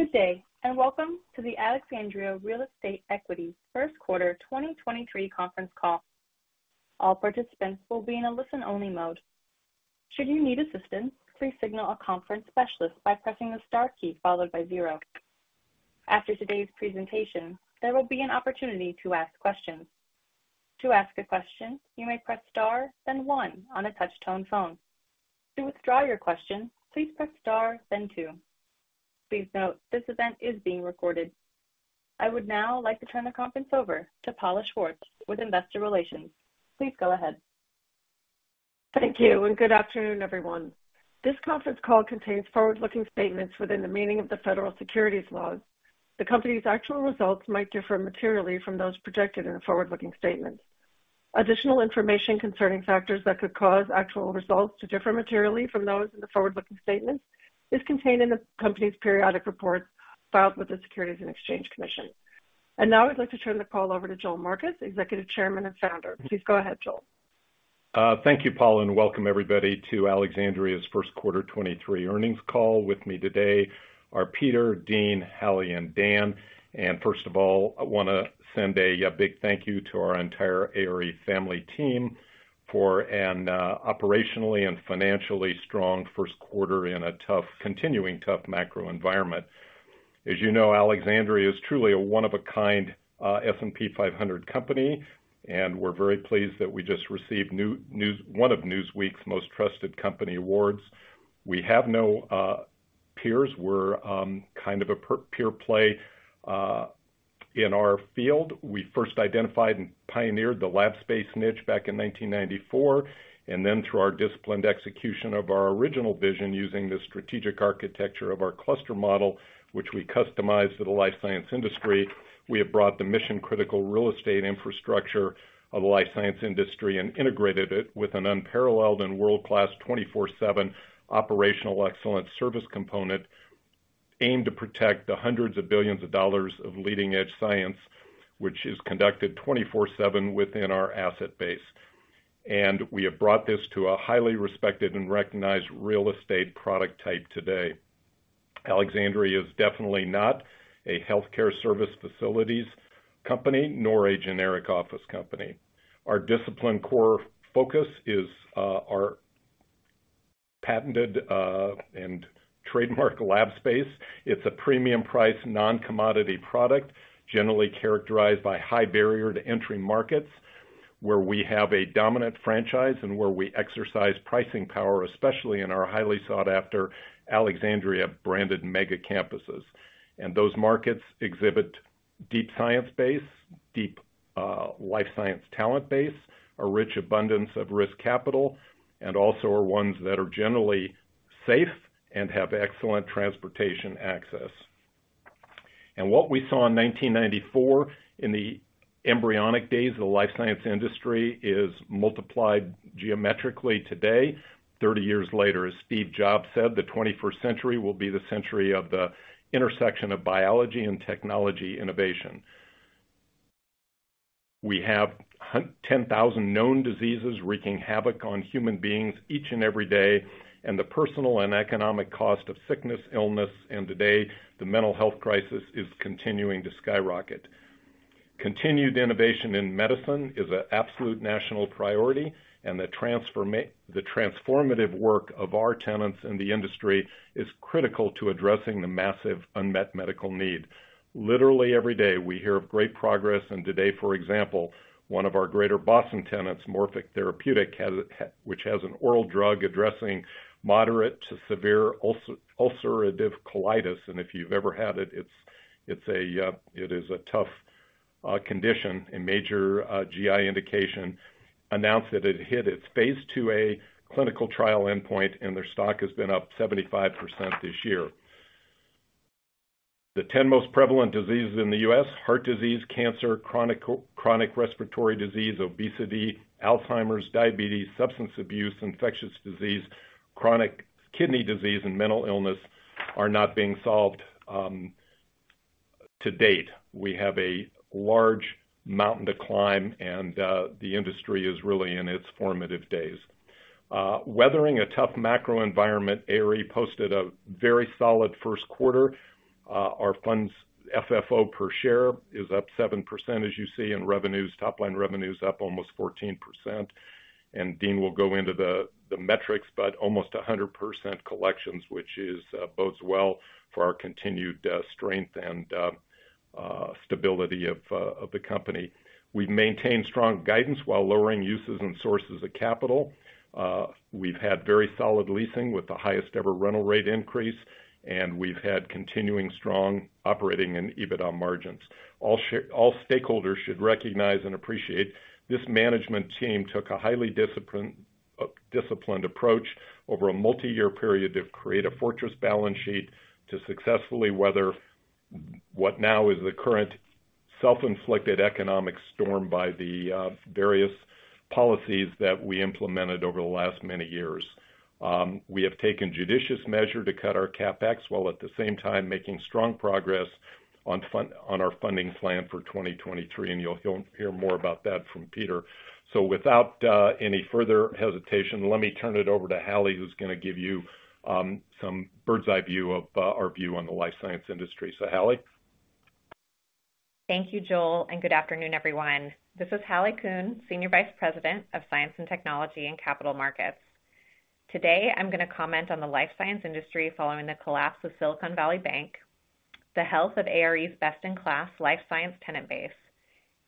Good day, welcome to the Alexandria Real Estate Equities first quarter 2023 conference call. All participants will be in a listen-only mode. Should you need assistance, please signal a conference specialist by pressing the star key followed by 0. After today's presentation, there will be an opportunity to ask questions. To ask a question, you may press star then 1 on a touch-tone phone. To withdraw your question, please press star then 2. Please note, this event is being recorded. I would now like to turn the conference over to Paula Schwartz with Investor Relations. Please go ahead. Thank you, good afternoon, everyone. This conference call contains forward-looking statements within the meaning of the federal securities laws. The company's actual results might differ materially from those projected in the forward-looking statements. Additional information concerning factors that could cause actual results to differ materially from those in the forward-looking statements is contained in the company's periodic report filed with the Securities and Exchange Commission. Now I'd like to turn the call over to Joel Marcus, Executive Chairman and Founder. Please go ahead, Joel. Thank you, Paula, welcome everybody to Alexandria's first quarter 23 earnings call. With me today are Peter, Dean, Hallie, and Dan. First of all, I wanna send a big thank you to our entire ARE family team for an operationally and financially strong first quarter in a tough, continuing tough macro environment. As you know, Alexandria is truly a one of a kind S&P 500 company, we're very pleased that we just received news one of Newsweek's Most Trusted Company awards. We have no peers. We're kind of a pure play in our field. We first identified and pioneered the lab space niche back in 1994, and then through our disciplined execution of our original vision using the strategic architecture of our cluster model, which we customized to the life science industry, we have brought the mission-critical real estate infrastructure of the life science industry and integrated it with an unparalleled and world-class 24/7 operational excellence service component aimed to protect the hundreds of billions of dollars of leading-edge science, which is conducted 24/7 within our asset base. We have brought this to a highly respected and recognized real estate product type today. Alexandria is definitely not a healthcare service facilities company, nor a generic office company. Our discipline core focus is our patented and trademark lab space. It's a premium price, non-commodity product, generally characterized by high barrier to entry markets, where we have a dominant franchise and where we exercise pricing power, especially in our highly sought-after Alexandria branded mega campuses. Those markets exhibit deep science base, deep life science talent base, a rich abundance of risk capital, and also are ones that are generally safe and have excellent transportation access. What we saw in 1994 in the embryonic days of the life science industry is multiplied geometrically today, 30 years later. As Steve Jobs said, the 21st century will be the century of the intersection of biology and technology innovation. We have 10,000 known diseases wreaking havoc on human beings each and every day, and the personal and economic cost of sickness, illness, and today, the mental health crisis is continuing to skyrocket. Continued innovation in medicine is a absolute national priority, and the transformative work of our tenants in the industry is critical to addressing the massive unmet medical need. Literally every day, we hear of great progress, and today, for example, one of our Greater Boston tenants, Morphic Therapeutic, which has an oral drug addressing moderate to severe ulcerative colitis, and if you've ever had it's a tough condition and major GI indication, announced that it hit its phase 2A clinical trial endpoint, and their stock has been up 75% this year. The 10 most prevalent diseases in the U.S., heart disease, cancer, chronic respiratory disease, obesity, Alzheimer's, diabetes, substance abuse, infectious disease, chronic kidney disease, and mental illness, are not being solved to date. We have a large mountain to climb. The industry is really in its formative days. Weathering a tough macro environment, ARE posted a very solid first quarter. Our funds FFO per share is up 7% as you see. Revenues, top line revenues up almost 14%. Dean will go into the metrics, but almost 100% collections, which bodes well for our continued strength and stability of the company. We've maintained strong guidance while lowering uses and sources of capital. We've had very solid leasing with the highest ever rental rate increase. We've had continuing strong operating and EBITDA margins. All stakeholders should recognize and appreciate this management team took a highly disciplined approach over a multi-year period to create a fortress balance sheet to successfully weather what now is the current self-inflicted economic storm by the various policies that we implemented over the last many years. We have taken judicious measure to cut our CapEx while at the same time making strong progress on our funding plan for 2023, and you'll hear more about that from Peter. Without any further hesitation, let me turn it over to Hallie, who's gonna give you some bird's eye view of our view on the life science industry. Hallie. Thank you, Joel, and good afternoon, everyone. This is Hallie Kuhn, Senior Vice President of Science and Technology and Capital Markets. Today, I'm gonna comment on the life science industry following the collapse of Silicon Valley Bank, the health of ARE's best-in-class life science tenant base,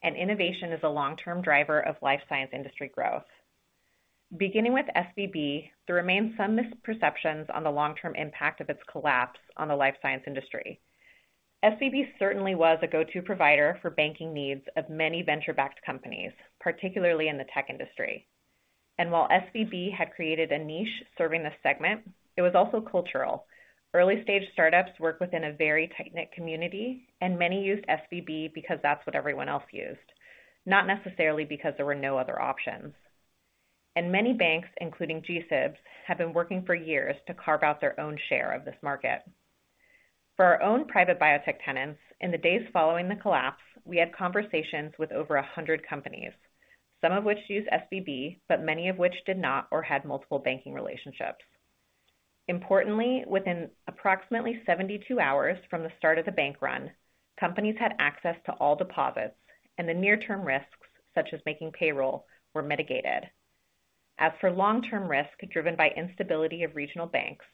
and innovation as a long-term driver of life science industry growth. Beginning with SVB, there remains some misperceptions on the long-term impact of its collapse on the life science industry. SVB certainly was a go-to provider for banking needs of many venture-backed companies, particularly in the tech industry. While SVB had created a niche serving this segment, it was also cultural. Early-stage startups work within a very tight-knit community, and many used SVB because that's what everyone else used, not necessarily because there were no other options. Many banks, including G-SIBs, have been working for years to carve out their own share of this market. For our own private biotech tenants, in the days following the collapse, we had conversations with over 100 companies, some of which used SVB, but many of which did not or had multiple banking relationships. Importantly, within approximately 72 hours from the start of the bank run, companies had access to all deposits, and the near-term risks, such as making payroll, were mitigated. As for long-term risk driven by instability of regional banks,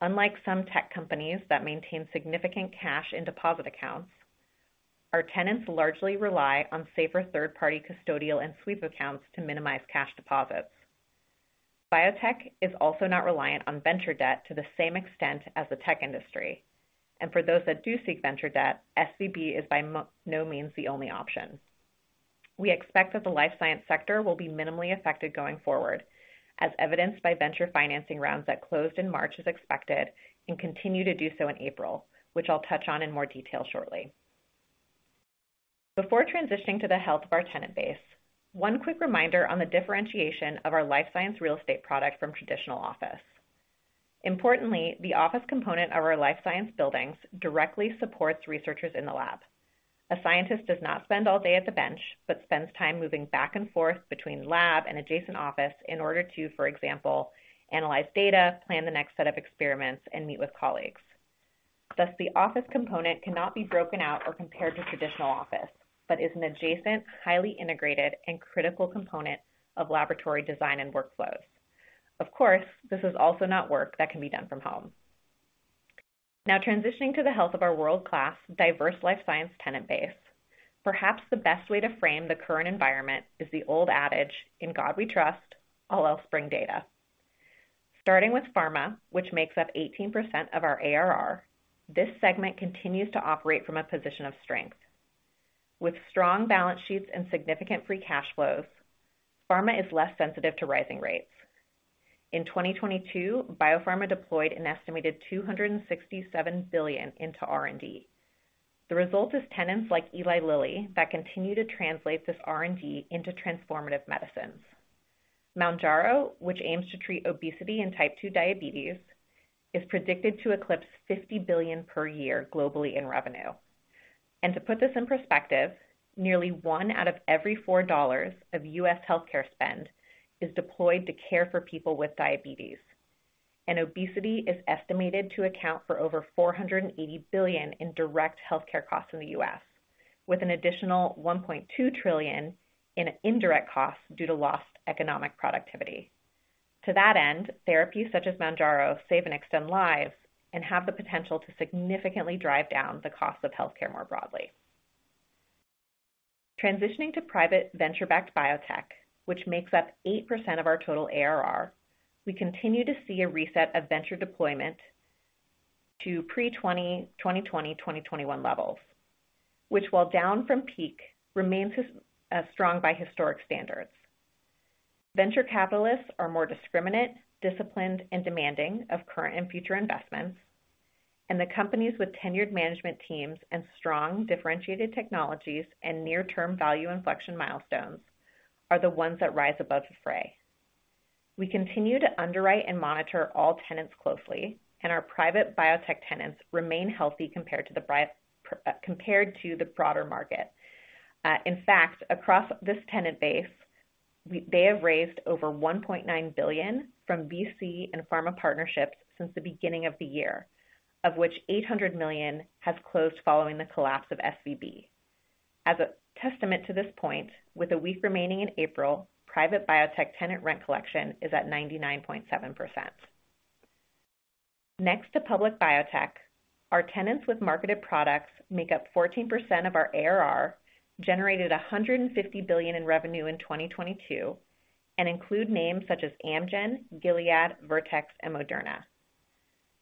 unlike some tech companies that maintain significant cash in deposit accounts, our tenants largely rely on safer third-party custodial and sweep accounts to minimize cash deposits. Biotech is also not reliant on venture debt to the same extent as the tech industry, for those that do seek venture debt, SVB is by no means the only option. We expect that the life science sector will be minimally affected going forward, as evidenced by venture financing rounds that closed in March as expected and continue to do so in April, which I'll touch on in more detail shortly. Before transitioning to the health of our tenant base, one quick reminder on the differentiation of our life science real estate product from traditional office. Importantly, the office component of our life science buildings directly supports researchers in the lab. A scientist does not spend all day at the bench, but spends time moving back and forth between lab and adjacent office in order to, for example, analyze data, plan the next set of experiments, and meet with colleagues. The office component cannot be broken out or compared to traditional office, but is an adjacent, highly integrated, and critical component of laboratory design and workflows. Of course, this is also not work that can be done from home. Transitioning to the health of our world-class, diverse life science tenant base. Perhaps the best way to frame the current environment is the old adage, In God we trust, all else bring data. Starting with pharma, which makes up 18% of our ARR, this segment continues to operate from a position of strength. With strong balance sheets and significant free cash flows, pharma is less sensitive to rising rates. In 2022, biopharma deployed an estimated $267 billion into R&D. The result is tenants like Eli Lilly that continue to translate this R&D into transformative medicines. Mounjaro, which aims to treat obesity and type 2 diabetes, is predicted to eclipse $50 billion per year globally in revenue. To put this in perspective, nearly 1 out of every 4 dollars of U.S. healthcare spend is deployed to care for people with diabetes. Obesity is estimated to account for over $480 billion in direct healthcare costs in the U.S., with an additional $1.2 trillion in indirect costs due to lost economic productivity. To that end, therapies such as Mounjaro save and extend lives and have the potential to significantly drive down the cost of healthcare more broadly. Transitioning to private venture-backed biotech, which makes up 8% of our total ARR, we continue to see a reset of venture deployment to pre-2020, 2021 levels, which, while down from peak, remains strong by historic standards. Venture capitalists are more discriminate, disciplined, and demanding of current and future investments. The companies with tenured management teams and strong differentiated technologies and near-term value inflection milestones are the ones that rise above the fray. We continue to underwrite and monitor all tenants closely, and our private biotech tenants remain healthy compared to the broader market. In fact, across this tenant base, they have raised over $1.9 billion from VC and pharma partnerships since the beginning of the year, of which $800 million has closed following the collapse of SVB. As a testament to this point, with a week remaining in April, private biotech tenant rent collection is at 99.7%. Next to public biotech, our tenants with marketed products make up 14% of our ARR, generated $150 billion in revenue in 2022, and include names such as Amgen, Gilead, Vertex, and Moderna.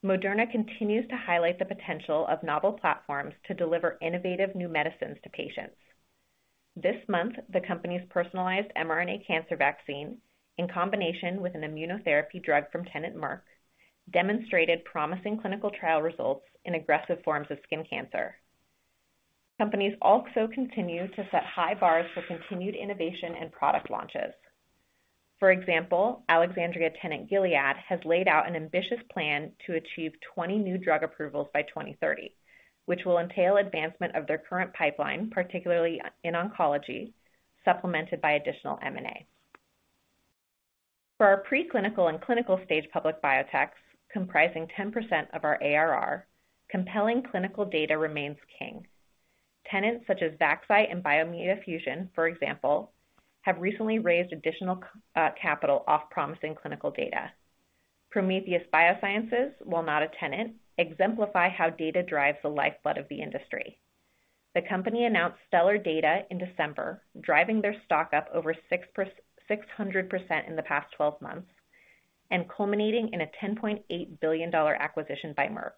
Moderna continues to highlight the potential of novel platforms to deliver innovative new medicines to patients. This month, the company's personalized mRNA cancer vaccine, in combination with an immunotherapy drug from tenant Merck, demonstrated promising clinical trial results in aggressive forms of skin cancer. Companies also continue to set high bars for continued innovation and product launches. For example, Alexandria tenant Gilead has laid out an ambitious plan to achieve 20 new drug approvals by 2030, which will entail advancement of their current pipeline, particularly in oncology, supplemented by additional M&A. For our preclinical and clinical stage public biotechs, comprising 10% of our ARR, compelling clinical data remains king. Tenants such as Zai Lab and Biomea Fusion, for example, have recently raised additional capital off promising clinical data. Prometheus Biosciences, while not a tenant, exemplify how data drives the lifeblood of the industry. The company announced stellar data in December, driving their stock up over 600% in the past 12 months, and culminating in a $10.8 billion acquisition by Merck.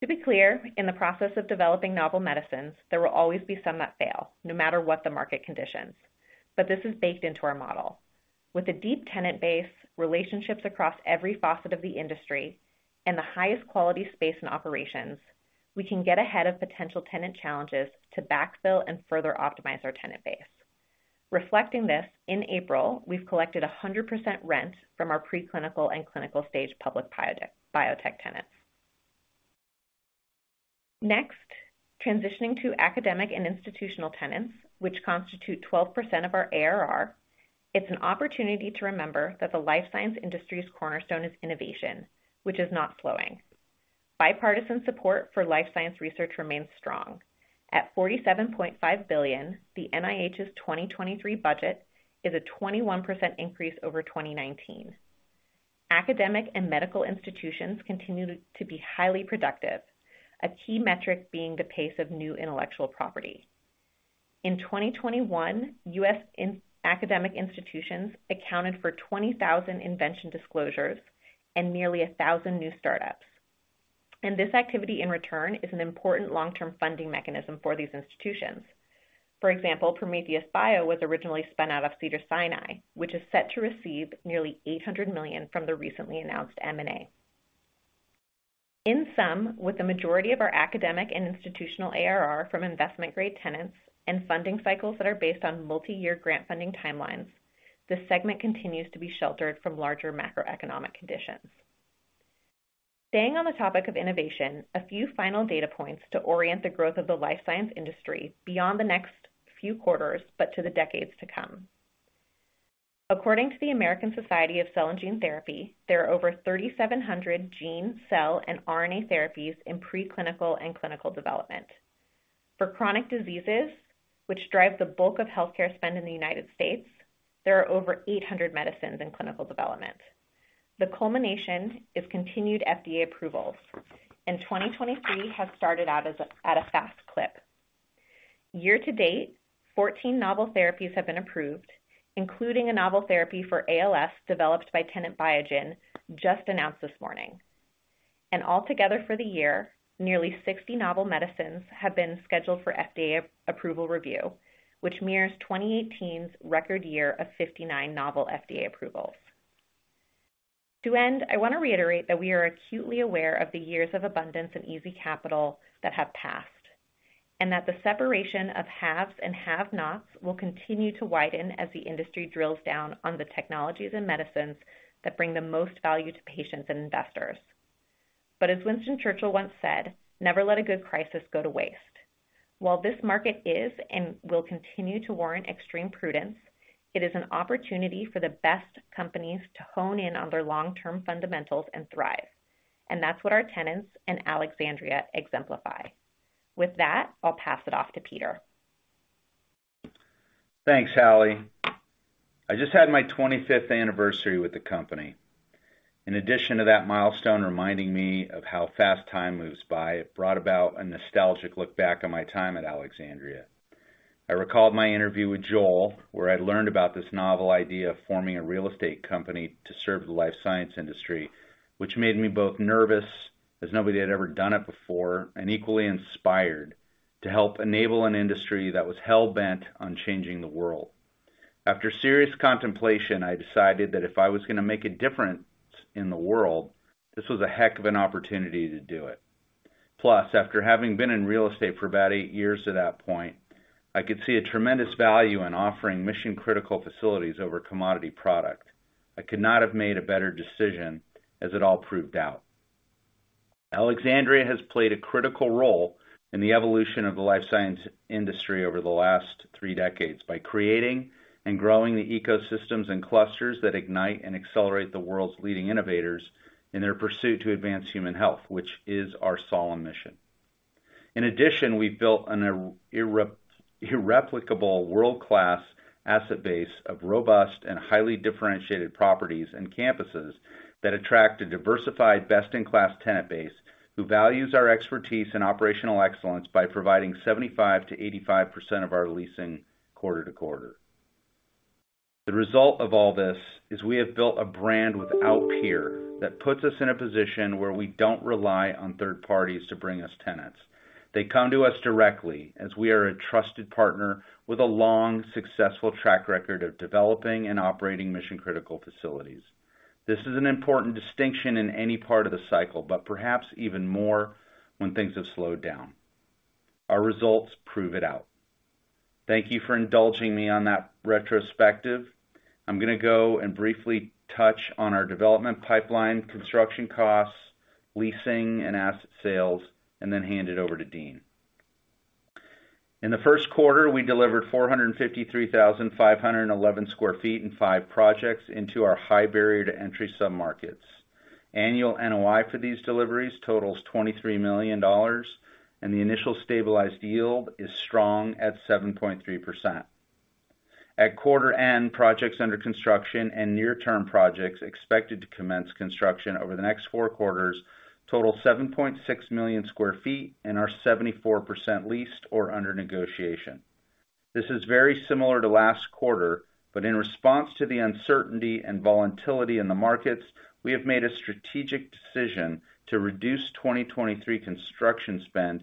To be clear, in the process of developing novel medicines, there will always be some that fail, no matter what the market conditions. This is baked into our model. With a deep tenant base, relationships across every facet of the industry, and the highest quality space and operations, we can get ahead of potential tenant challenges to backfill and further optimize our tenant base. Reflecting this, in April, we've collected 100% rent from our preclinical and clinical stage public biotech tenants. Next, transitioning to academic and institutional tenants, which constitute 12% of our ARR. It's an opportunity to remember that the life science industry's cornerstone is innovation, which is not slowing. Bipartisan support for life science research remains strong. At $47.5 billion, the NIH's 2023 budget is a 21% increase over 2019. Academic and medical institutions continue to be highly productive, a key metric being the pace of new intellectual property. In 2021, U.S. academic institutions accounted for 20,000 invention disclosures and nearly 1,000 new startups. This activity in return is an important long-term funding mechanism for these institutions. For example, Prometheus Bio was originally spun out of Cedars-Sinai, which is set to receive nearly $800 million from the recently announced M&A. In sum, with the majority of our academic and institutional ARR from investment-grade tenants and funding cycles that are based on multi-year grant funding timelines, this segment continues to be sheltered from larger macroeconomic conditions. Staying on the topic of innovation, a few final data points to orient the growth of the life science industry beyond the next few quarters, but to the decades to come. According to the American Society of Gene & Cell Therapy, there are over 3,700 gene, cell, and RNA therapies in preclinical and clinical development. For chronic diseases, which drive the bulk of healthcare spend in the United States, there are over 800 medicines in clinical development. The culmination is continued FDA approvals. 2023 has started out at a fast clip. Year to date, 14 novel therapies have been approved, including a novel therapy for ALS developed by tenant Biogen just announced this morning. Altogether for the year, nearly 60 novel medicines have been scheduled for FDA approval review, which mirrors 2018's record year of 59 novel FDA approvals. To end, I want to reiterate that we are acutely aware of the years of abundance and easy capital that have passed. That the separation of haves and have-nots will continue to widen as the industry drills down on the technologies and medicines that bring the most value to patients and investors. As Winston Churchill once said, "Never let a good crisis go to waste." While this market is and will continue to warrant extreme prudence, it is an opportunity for the best companies to hone in on their long-term fundamentals and thrive. That's what our tenants and Alexandria exemplify. With that, I'll pass it off to Peter. Thanks, Hallie. I just had my 25th anniversary with the company. In addition to that milestone reminding me of how fast time moves by, it brought about a nostalgic look back on my time at Alexandria. I recalled my interview with Joel, where I learned about this novel idea of forming a real estate company to serve the life science industry, which made me both nervous, as nobody had ever done it before, and equally inspired to help enable an industry that was hell-bent on changing the world. After serious contemplation, I decided that if I was gonna make a difference in the world, this was a heck of an opportunity to do it. Plus, after having been in real estate for about eight years to that point, I could see a tremendous value in offering mission-critical facilities over commodity product. I could not have made a better decision as it all proved out. Alexandria has played a critical role in the evolution of the life science industry over the last three decades by creating and growing the ecosystems and clusters that ignite and accelerate the world's leading innovators in their pursuit to advance human health, which is our solemn mission. In addition, we've built an irreplicable world-class asset base of robust and highly differentiated properties and campuses that attract a diversified, best-in-class tenant base who values our expertise and operational excellence by providing 75%-85% of our leasing quarter to quarter. The result of all this is we have built a brand without peer that puts us in a position where we don't rely on third parties to bring us tenants. They come to us directly, as we are a trusted partner with a long, successful track record of developing and operating mission-critical facilities. This is an important distinction in any part of the cycle, but perhaps even more when things have slowed down. Our results prove it out. Thank you for indulging me on that retrospective. I'm gonna go and briefly touch on our development pipeline, construction costs, leasing, and asset sales, and then hand it over to Dean. In the first quarter, we delivered 453,511 sq ft in five projects into our high barrier to entry submarkets. Annual NOI for these deliveries totals $23 million, and the initial stabilized yield is strong at 7.3%. At quarter end, projects under construction and near-term projects expected to commence construction over the next four quarters total 7.6 million sq ft and are 74% leased or under negotiation. This is very similar to last quarter. In response to the uncertainty and volatility in the markets, we have made a strategic decision to reduce 2023 construction spend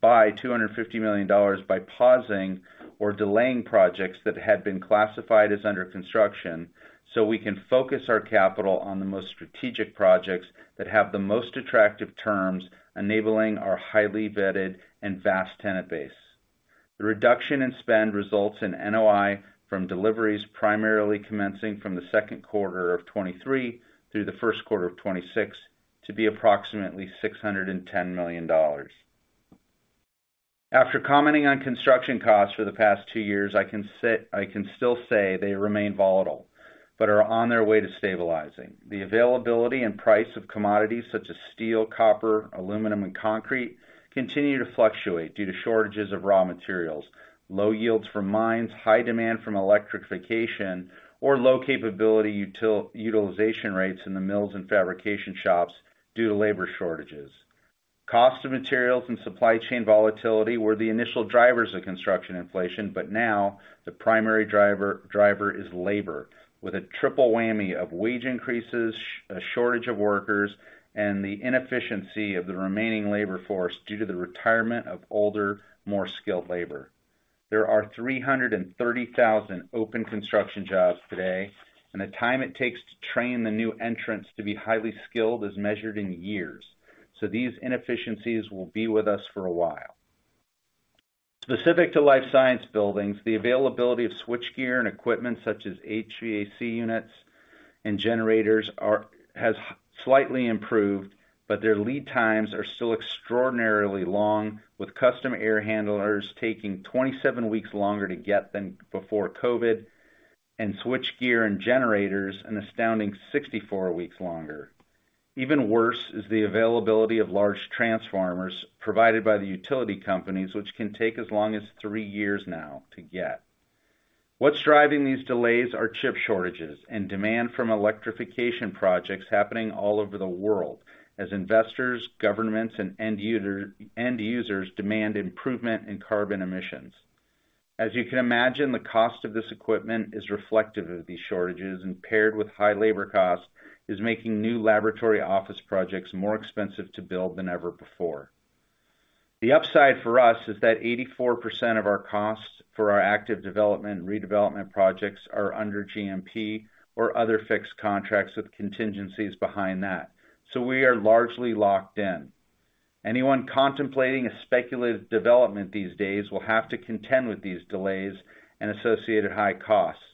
by $250 million by pausing or delaying projects that had been classified as under construction, so we can focus our capital on the most strategic projects that have the most attractive terms, enabling our highly vetted and vast tenant base. The reduction in spend results in NOI from deliveries primarily commencing from the second quarter of 2023 through the first quarter of 2026 to be approximately $610 million. After commenting on construction costs for the past two years, I can still say they remain volatile, but are on their way to stabilizing. The availability and price of commodities, such as steel, copper, aluminum, and concrete, continue to fluctuate due to shortages of raw materials, low yields from mines, high demand from electrification, or low capability utilization rates in the mills and fabrication shops due to labor shortages. Cost of materials and supply chain volatility were the initial drivers of construction inflation, but now the primary driver is labor, with a triple whammy of wage increases, a shortage of workers, and the inefficiency of the remaining labor force due to the retirement of older, more skilled labor. There are 330,000 open construction jobs today, and the time it takes to train the new entrants to be highly skilled is measured in years. These inefficiencies will be with us for a while. Specific to life science buildings, the availability of switchgear and equipment such as HVAC units and generators has slightly improved, but their lead times are still extraordinarily long, with custom air handlers taking 27 weeks longer to get than before COVID, and switchgear and generators an astounding 64 weeks longer. Even worse is the availability of large transformers provided by the utility companies, which can take as long as 3 years now to get. What's driving these delays are chip shortages and demand from electrification projects happening all over the world as investors, governments, and end users demand improvement in carbon emissions. As you can imagine, the cost of this equipment is reflective of these shortages, and paired with high labor costs, is making new laboratory office projects more expensive to build than ever before. The upside for us is that 84% of our costs for our active development and redevelopment projects are under GMP or other fixed contracts with contingencies behind that, so we are largely locked in. Anyone contemplating a speculative development these days will have to contend with these delays and associated high costs,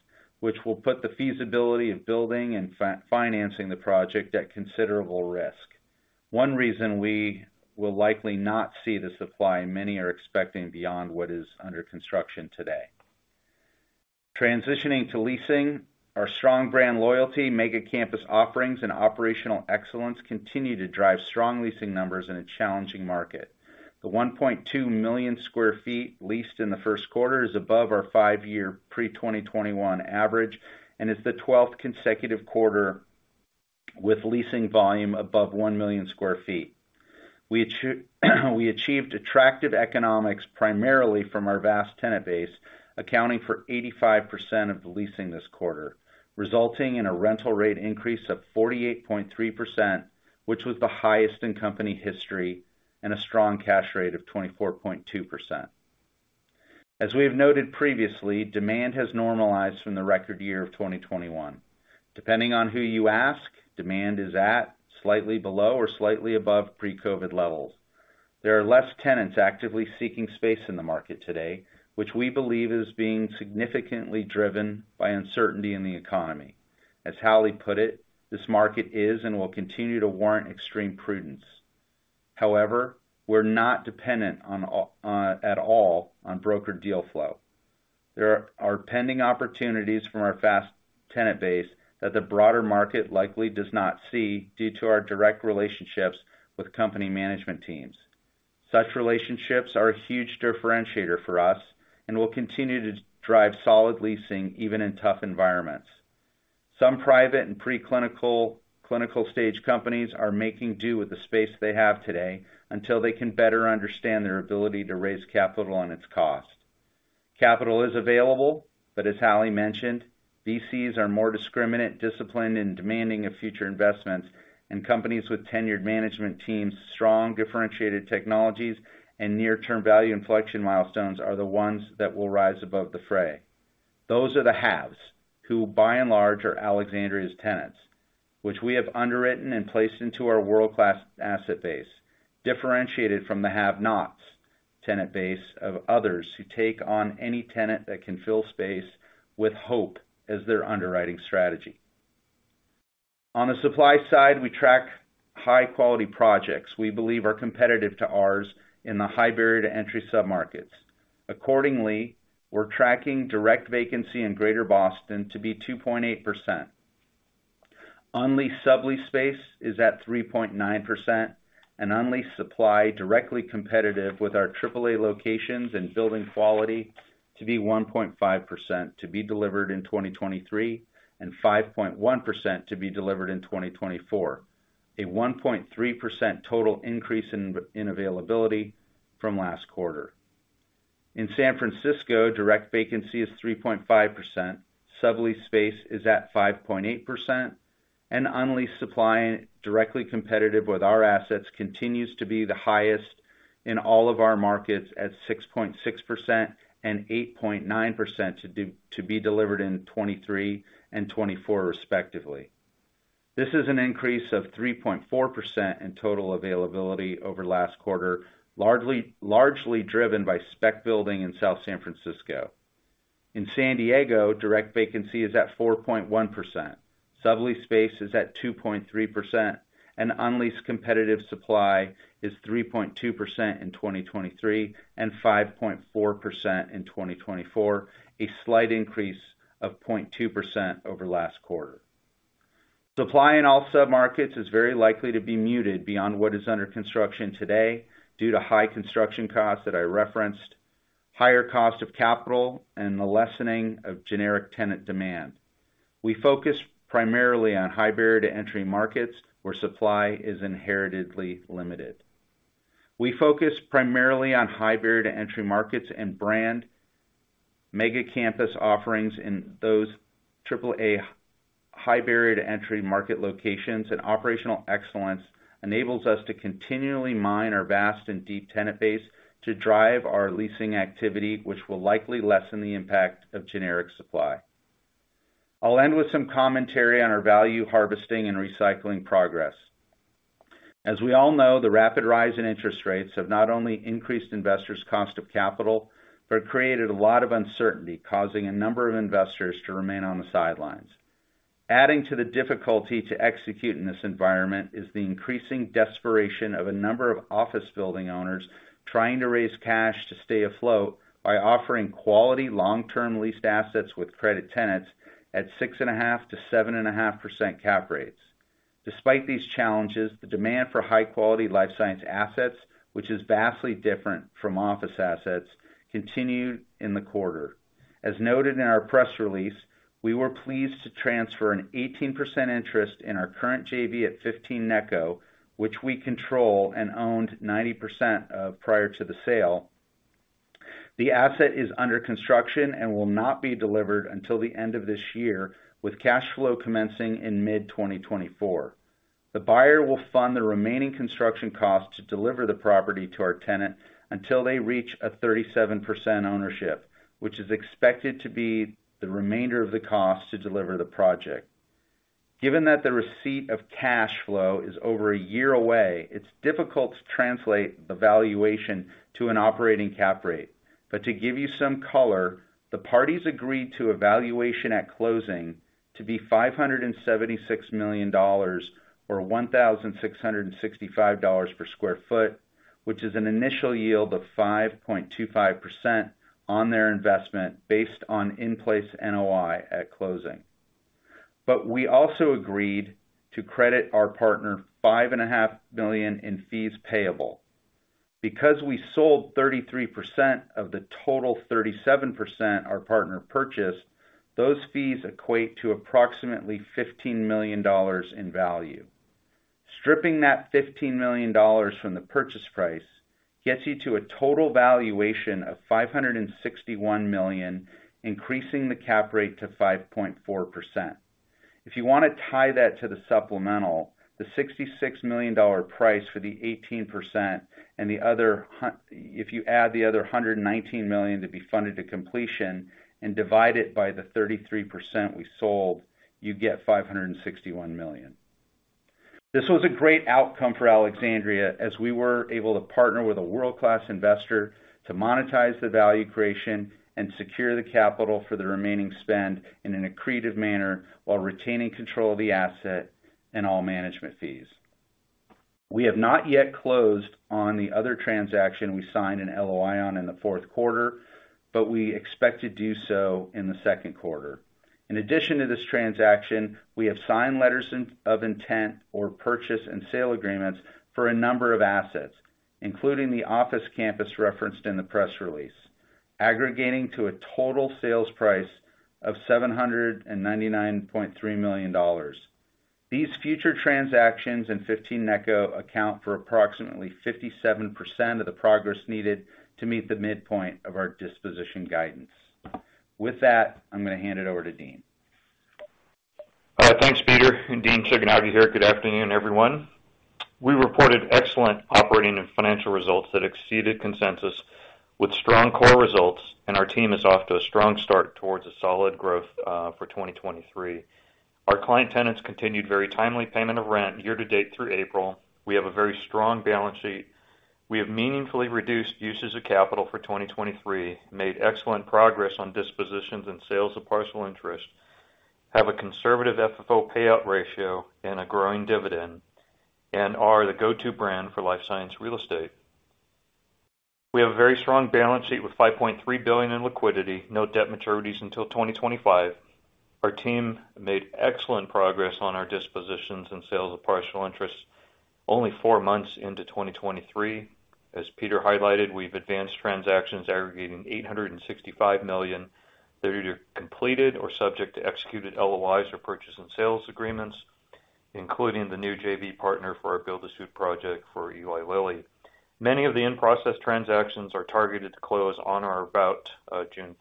which will put the feasibility of building and financing the project at considerable risk. One reason we will likely not see the supply many are expecting beyond what is under construction today. Transitioning to leasing, our strong brand loyalty, mega-campus offerings, and operational excellence continue to drive strong leasing numbers in a challenging market. The 1.2 million sq ft leased in the 1st quarter is above our 5-year pre-2021 average and is the 12th consecutive quarter with leasing volume above 1 million sq ft. We achieved attractive economics primarily from our vast tenant base, accounting for 85% of the leasing this quarter, resulting in a rental rate increase of 48.3%, which was the highest in company history, and a strong cash rate of 24.2%. As we have noted previously, demand has normalized from the record year of 2021. Depending on who you ask, demand is at, slightly below, or slightly above pre-COVID levels. There are less tenants actively seeking space in the market today, which we believe is being significantly driven by uncertainty in the economy. As Hallie put it, this market is and will continue to warrant extreme prudence. However, we're not dependent on at all on broker deal flow. There are pending opportunities from our fast tenant base that the broader market likely does not see due to our direct relationships with company management teams. Such relationships are a huge differentiator for us and will continue to drive solid leasing even in tough environments. Some private and preclinical, clinical stage companies are making do with the space they have today until they can better understand their ability to raise capital and its cost. Capital is available. As Hallie mentioned, VCs are more discriminant, disciplined, and demanding of future investments, and companies with tenured management teams, strong differentiated technologies, and near-term value inflection milestones are the ones that will rise above the fray. Those are the haves who by and large are Alexandria's tenants, which we have underwritten and placed into our world-class asset base, differentiated from the have-nots tenant base of others who take on any tenant that can fill space with hope as their underwriting strategy. On the supply side, we track high-quality projects we believe are competitive to ours in the high barrier to entry submarkets. Accordingly, we're tracking direct vacancy in Greater Boston to be 2.8%. Unleased sublease space is at 3.9%, and unleased supply directly competitive with our triple A locations and building quality to be 1.5% to be delivered in 2023, and 5.1% to be delivered in 2024. A 1.3% total increase in availability from last quarter. In San Francisco, direct vacancy is 3.5%. Sublease space is at 5.8%, and unleased supply directly competitive with our assets continues to be the highest in all of our markets at 6.6% and 8.9% to be delivered in 2023 and 2024 respectively. This is an increase of 3.4% in total availability over last quarter, largely driven by spec building in South San Francisco. In San Diego, direct vacancy is at 4.1%. Sublease space is at 2.3%, and unleased competitive supply is 3.2% in 2023 and 5.4% in 2024, a slight increase of 0.2% over last quarter. Supply in all submarkets is very likely to be muted beyond what is under construction today due to high construction costs that I referenced, higher cost of capital, and the lessening of generic tenant demand. We focus primarily on high barrier to entry markets where supply is inherently limited. We focus primarily on high barrier to entry markets and brand mega-campus offerings in those triple-A high barrier to entry market locations, and operational excellence enables us to continually mine our vast and deep tenant base to drive our leasing activity, which will likely lessen the impact of generic supply. I'll end with some commentary on our value harvesting and recycling progress. We all know, the rapid rise in interest rates have not only increased investors' cost of capital, but created a lot of uncertainty, causing a number of investors to remain on the sidelines. Adding to the difficulty to execute in this environment is the increasing desperation of a number of office building owners trying to raise cash to stay afloat by offering quality long-term leased assets with credit tenants at 6.5%-7.5% cap rates. Despite these challenges, the demand for high-quality life science assets, which is vastly different from office assets, continued in the quarter. Noted in our press release, we were pleased to transfer an 18% interest in our current JV at 15 Necco, which we control and owned 90% of prior to the sale. The asset is under construction and will not be delivered until the end of this year, with cash flow commencing in mid-2024. The buyer will fund the remaining construction costs to deliver the property to our tenant until they reach a 37% ownership, which is expected to be the remainder of the cost to deliver the project. Given that the receipt of cash flow is over a year away, it's difficult to translate the valuation to an operating cap rate. To give you some color, the parties agreed to a valuation at closing to be $576 million or $1,665 per sq ft, which is an initial yield of 5.25% on their investment based on in-place NOI at closing. We also agreed to credit our partner five and a half million in fees payable. Because we sold 33% of the total 37% our partner purchased, those fees equate to approximately $15 million in value. Stripping that $15 million from the purchase price gets you to a total valuation of $561 million, increasing the cap rate to 5.4%. If you wanna tie that to the supplemental, the $66 million price for the 18% and if you add the other $119 million to be funded to completion and divide it by the 33% we sold, you get $561 million. This was a great outcome for Alexandria, as we were able to partner with a world-class investor to monetize the value creation and secure the capital for the remaining spend in an accretive manner while retaining control of the asset and all management fees. We have not yet closed on the other transaction we signed an LOI on in the fourth quarter. We expect to do so in the second quarter. In addition to this transaction, we have signed letters of intent or purchase and sale agreements for a number of assets, including the office campus referenced in the press release, aggregating to a total sales price of $799.3 million. These future transactions in 15 Necco account for approximately 57% of the progress needed to meet the midpoint of our disposition guidance. With that, I'm gonna hand it over to Dean. Thanks, Peter and Dean. Shigenaga here. Good afternoon, everyone. We reported excellent operating and financial results that exceeded consensus with strong core results. Our team is off to a strong start towards a solid growth for 2023. Our client tenants continued very timely payment of rent year to date through April. We have a very strong balance sheet. We have meaningfully reduced uses of capital for 2023, made excellent progress on dispositions and sales of partial interest, have a conservative FFO payout ratio and a growing dividend. We are the go-to brand for life science real estate. We have a very strong balance sheet with $5.3 billion in liquidity, no debt maturities until 2025. Our team made excellent progress on our dispositions and sales of partial interest only 4 months into 2023. As Peter highlighted, we've advanced transactions aggregating $865 million. They're either completed or subject to executed LOIs or purchase and sales agreements, including the new JV partner for our build-to-suit project for Eli Lilly. Many of the in-process transactions are targeted to close on or about June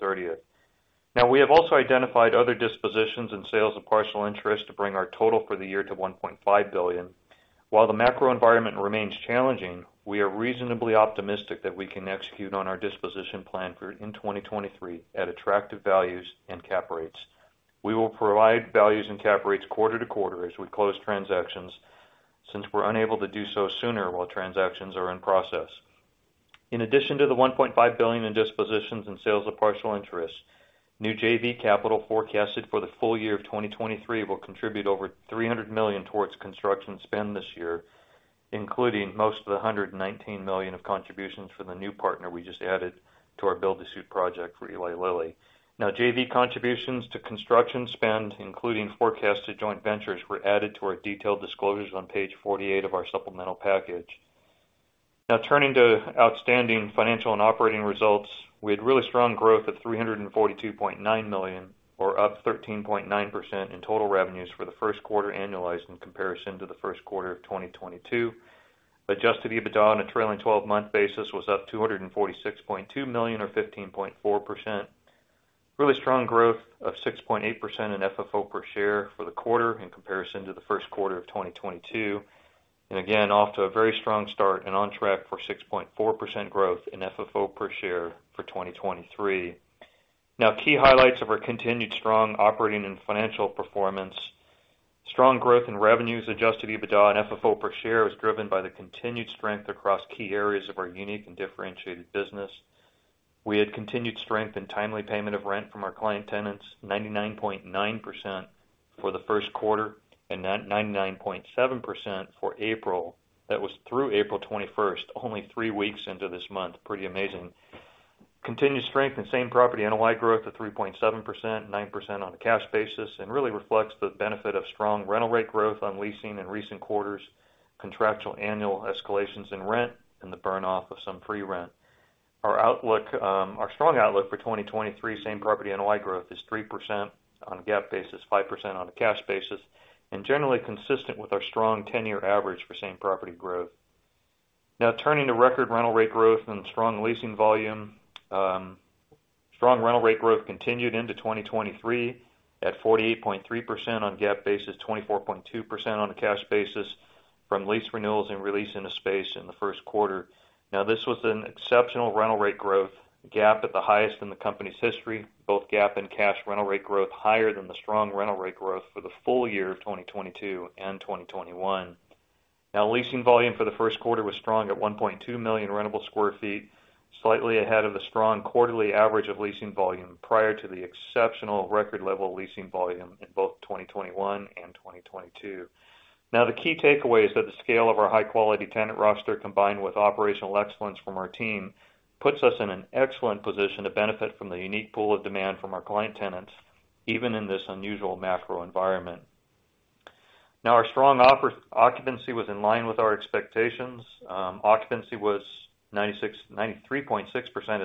thirtieth. We have also identified other dispositions and sales of partial interest to bring our total for the year to $1.5 billion. While the macro environment remains challenging, we are reasonably optimistic that we can execute on our disposition plan for 2023 at attractive values and cap rates. We will provide values and cap rates quarter to quarter as we close transactions, since we're unable to do so sooner while transactions are in process. In addition to the $1.5 billion in dispositions and sales of partial interest, new JV capital forecasted for the full year of 2023 will contribute over $300 million towards construction spend this year, including most of the $119 million of contributions from the new partner we just added to our build-to-suit project for Eli Lilly. Now, JV contributions to construction spend, including forecasted joint ventures, were added to our detailed disclosures on page 48 of our supplemental package. Now, turning to outstanding financial and operating results. We had really strong growth of $342.9 million or up 13.9% in total revenues for the first quarter annualized in comparison to the first quarter of 2022. Adjusted EBITDA on a trailing twelve-month basis was up $246.2 million or 15.4%. Really strong growth of 6.8% in FFO per share for the quarter in comparison to the 1st quarter of 2022. Again, off to a very strong start and on track for 6.4% growth in FFO per share for 2023. Key highlights of our continued strong operating and financial performance. Strong growth in revenues, adjusted EBITDA, and FFO per share was driven by the continued strength across key areas of our unique and differentiated business. We had continued strength in timely payment of rent from our client tenants, 99.9% for the 1st quarter and 99.7% for April. That was through April 21st, only three weeks into this month. Pretty amazing. Continued strength in same property NOI growth of 3.7%, 9% on a cash basis, really reflects the benefit of strong rental rate growth on leasing in recent quarters, contractual annual escalations in rent, and the burn-off of some free rent. Our outlook, our strong outlook for 2023 same property NOI growth is 3% on a GAAP basis, 5% on a cash basis, generally consistent with our strong 10-year average for same property growth. Turning to record rental rate growth and strong leasing volume. Strong rental rate growth continued into 2023 at 48.3% on GAAP basis, 24.2% on a cash basis from lease renewals and release into space in the first quarter. This was an exceptional rental rate growth. GAAP at the highest in the company's history, both GAAP and cash rental rate growth higher than the strong rental rate growth for the full year of 2022 and 2021. Leasing volume for the first quarter was strong at 1.2 million rentable sq ft, slightly ahead of the strong quarterly average of leasing volume prior to the exceptional record level of leasing volume in both 2021 and 2022. The key takeaway is that the scale of our high-quality tenant roster, combined with operational excellence from our team, puts us in an excellent position to benefit from the unique pool of demand from our client tenants, even in this unusual macro environment. Our strong occupancy was in line with our expectations. Occupancy was 93.6%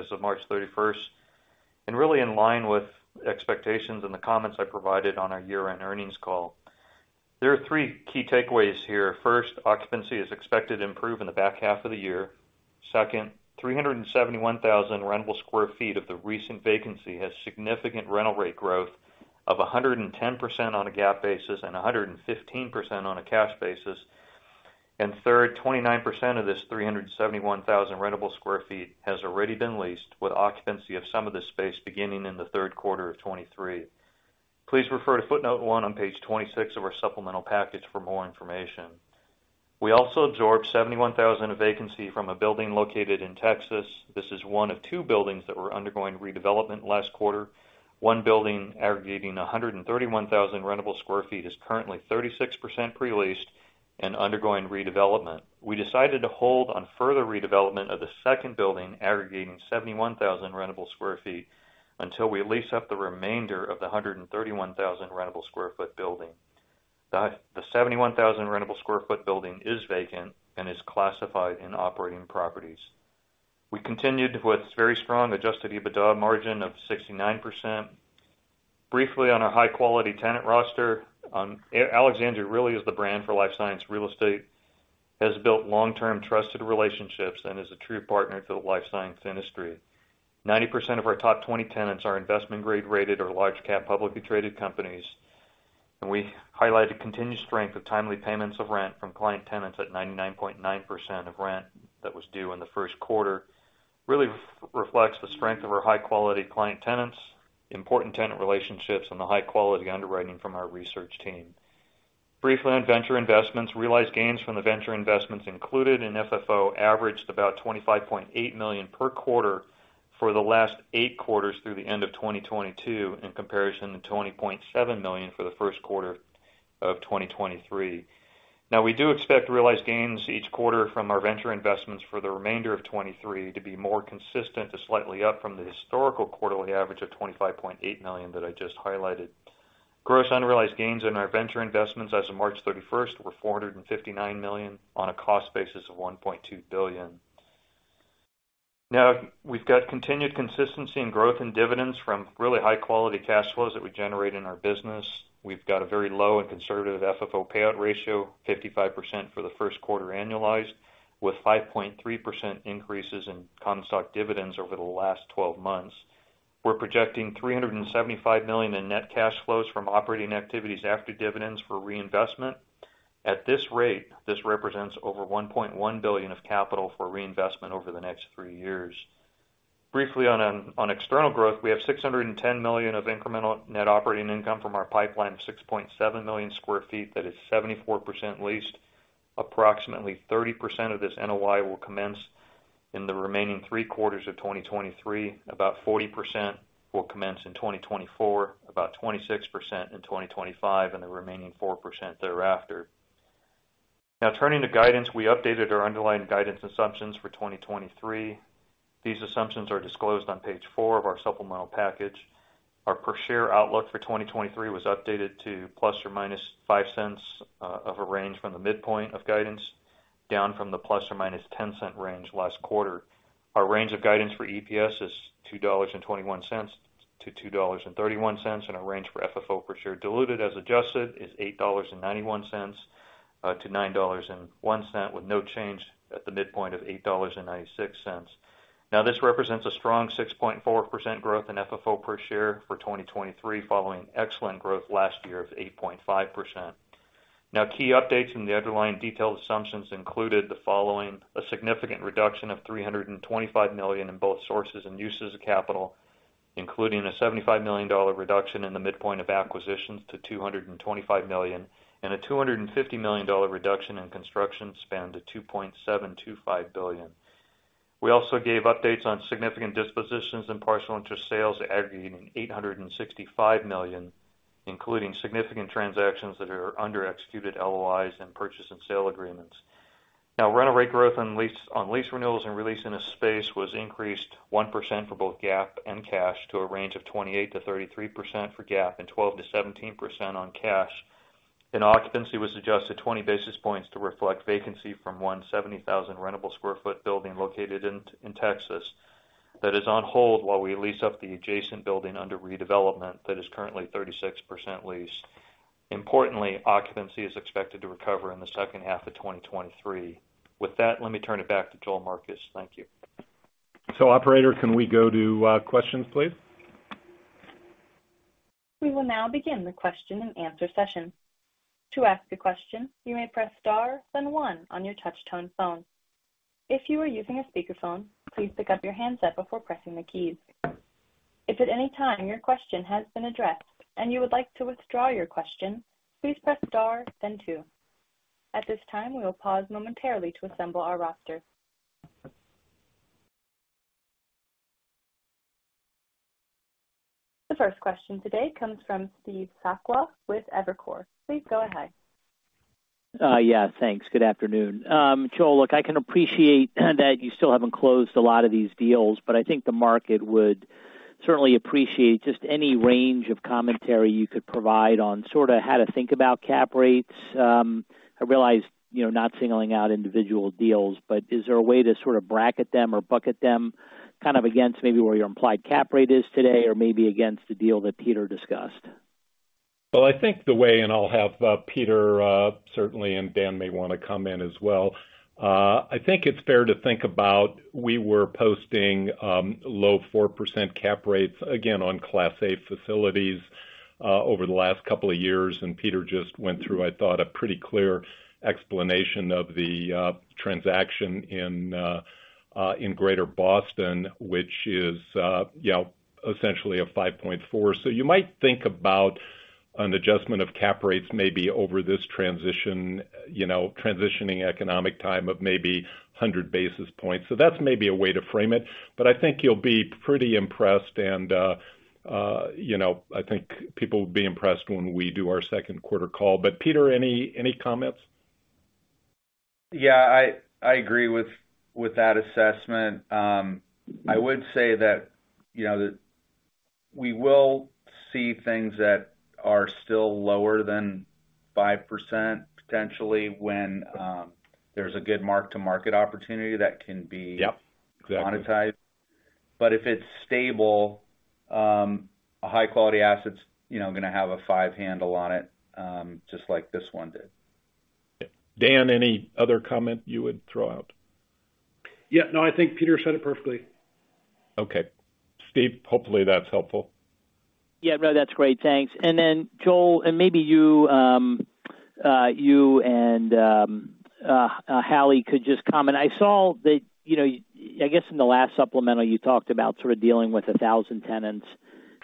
as of March 31st, really in line with expectations and the comments I provided on our year-end earnings call. There are three key takeaways here. First, occupancy is expected to improve in the back half of the year. Second, 371,000 rentable sq ft of the recent vacancy has significant rental rate growth of 110% on a GAAP basis and 115% on a cash basis. Third, 29% of this 371,000 rentable sq ft has already been leased, with occupancy of some of this space beginning in the third quarter of 2023. Please refer to footnote 1 on page 26 of our supplemental package for more information. We also absorbed 71,000 of vacancy from a building located in Texas. This is 1 of 2 buildings that were undergoing redevelopment last quarter. 1 building aggregating 131,000 rentable square feet is currently 36% pre-leased and undergoing redevelopment. We decided to hold on further redevelopment of the 2nd building, aggregating 71,000 rentable square feet, until we lease up the remainder of the 131,000 rentable square foot building. The 71,000 rentable square foot building is vacant and is classified in operating properties. We continued with very strong adjusted EBITDA margin of 69%. Briefly, on our high-quality tenant roster, Alexandria really is the brand for life science real estate. Has built long-term trusted relationships and is a true partner to the life science industry. 90% of our top 20 tenants are investment grade rated or large cap publicly traded companies. We highlighted continued strength of timely payments of rent from client tenants at 99.9% of rent that was due in the first quarter, really reflects the strength of our high-quality client tenants, important tenant relationships, and the high-quality underwriting from our research team. Briefly on venture investments. Realized gains from the venture investments included in FFO averaged about $25.8 million per quarter for the last 8 quarters through the end of 2022, in comparison to $20.7 million for the first quarter of 2023. We do expect to realize gains each quarter from our venture investments for the remainder of 2023 to be more consistent to slightly up from the historical quarterly average of $25.8 million that I just highlighted. Gross unrealized gains in our venture investments as of March 31st were $459 million on a cost basis of $1.2 billion. Now, we've got continued consistency in growth in dividends from really high-quality cash flows that we generate in our business. We've got a very low and conservative FFO payout ratio, 55% for the first quarter annualized, with 5.3% increases in common stock dividends over the last 12 months. We're projecting $375 million in net cash flows from operating activities after dividends for reinvestment. At this rate, this represents over $1.1 billion of capital for reinvestment over the next three years. Briefly on external growth. We have $610 million of incremental net operating income from our pipeline of 6.7 million sq ft that is 74% leased. Approximately 30% of this NOI will commence in the remaining 3 quarters of 2023. About 40% will commence in 2024, about 26% in 2025, and the remaining 4% thereafter. Turning to guidance. We updated our underlying guidance assumptions for 2023. These assumptions are disclosed on page 4 of our supplemental package. Our per share outlook for 2023 was updated to ±$0.05 of a range from the midpoint of guidance, down from the ±$0.10 range last quarter. Our range of guidance for EPS is $2.21-$2.31, and our range for FFO per share diluted as adjusted is $8.91-$9.01, with no change at the midpoint of $8.96. This represents a strong 6.4% growth in FFO per share for 2023, following excellent growth last year of 8.5%. Key updates in the underlying detailed assumptions included the following. A significant reduction of $325 million in both sources and uses of capital, including a $75 million reduction in the midpoint of acquisitions to $225 million, and a $250 million reduction in construction spend to $2.725 billion. We also gave updates on significant dispositions and parcel interest sales aggregating $865 million, including significant transactions that are under executed LOIs and purchase and sale agreements. Rental rate growth on lease renewals and re-leasing of space was increased 1% for both GAAP and cash to a range of 28%-33% for GAAP and 12%-17% on cash. Occupancy was adjusted 20 basis points to reflect vacancy from a 170,000 rentable sq ft building located in Texas that is on hold while we lease up the adjacent building under redevelopment that is currently 36% leased. Importantly, occupancy is expected to recover in the second half of 2023. With that, let me turn it back to Joel Marcus. Thank you. Operator, can we go to questions, please? We will now begin the question-and-answer session. To ask a question, you may press star, then one on your touch tone phone. If you are using a speakerphone, please pick up your handset before pressing the keys. If at any time your question has been addressed and you would like to withdraw your question, please press star then two. At this time, we will pause momentarily to assemble our roster. The first question today comes from Steve Sakwa with Evercore. Please go ahead. Yeah, thanks. Good afternoon. Joel, look, I can appreciate that you still haven't closed a lot of these deals, but I think the market would certainly appreciate just any range of commentary you could provide on sort of how to think about cap rates. I realize, you know, not singling out individual deals, but is there a way to sort of bracket them or bucket them kind of against maybe where your implied cap rate is today or maybe against the deal that Peter discussed? I think the way... I'll have Peter certainly, and Dan may wanna come in as well. I think it's fair to think about we were posting low 4% cap rates again on Class A facilities over the last couple of years. Peter just went through, I thought, a pretty clear explanation of the transaction in Greater Boston, which is, you know, essentially a 5.4. You might think about an adjustment of cap rates maybe over this transitioning economic time of maybe 100 basis points. That's maybe a way to frame it. I think you'll be pretty impressed and, you know, I think people will be impressed when we do our second quarter call. Peter, any comments? Yeah, I agree with that assessment. I would say that, you know, we will see things that are still lower than 5% potentially when, there's a good mark-to-market opportunity that can be. Yeah, exactly. If it's stable, a high-quality asset's, you know, gonna have a 5 handle on it, just like this one did. Dan, any other comment you would throw out? Yeah. No, I think Peter said it perfectly. Okay. Steve, hopefully that's helpful. Yeah, no, that's great. Thanks. Then Joel, and maybe you and Hallie could just comment. I saw that, you know, I guess in the last supplemental you talked about sort of dealing with 1,000 tenants.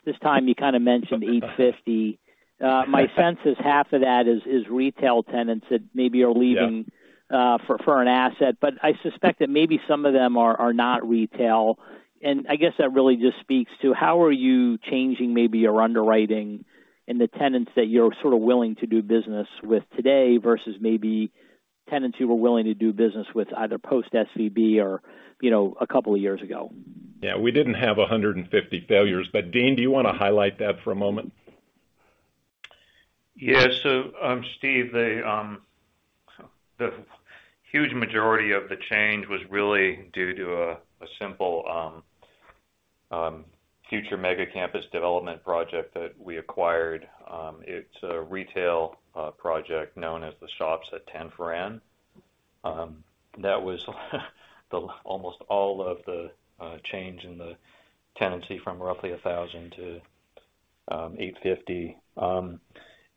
This time you kind of mentioned 850. My sense is half of that is retail tenants that maybe are leaving- Yeah for an asset, but I suspect that maybe some of them are not retail. I guess that really just speaks to how are you changing maybe your underwriting and the tenants that you're sort of willing to do business with today versus maybe tenants you were willing to do business with either post SVB or, you know, a couple of years ago? Yeah, we didn't have 150 failures, but Dean, do you wanna highlight that for a moment? Steve, the huge majority of the change was really due to a simple future mega campus development project that we acquired. It's a retail project known as The Shops at Ten Franklin. That was almost all of the change in the tenancy from roughly 1,000 to 850.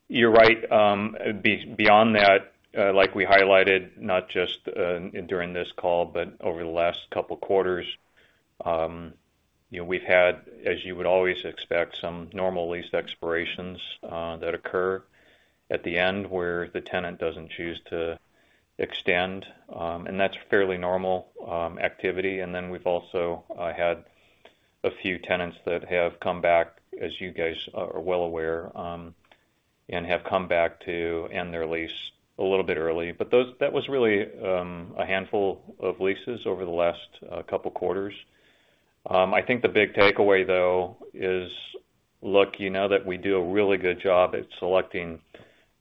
You're right. Beyond that, like we highlighted, not just during this call, but over the last couple quarters, you know, we've had, as you would always expect, some normal lease expirations that occur at the end where the tenant doesn't choose to extend. That's fairly normal activity. We've also had a few tenants that have come back, as you guys are well aware, and have come back to end their lease a little bit early. That was really a handful of leases over the last couple quarters. I think the big takeaway though is, look, you know that we do a really good job at selecting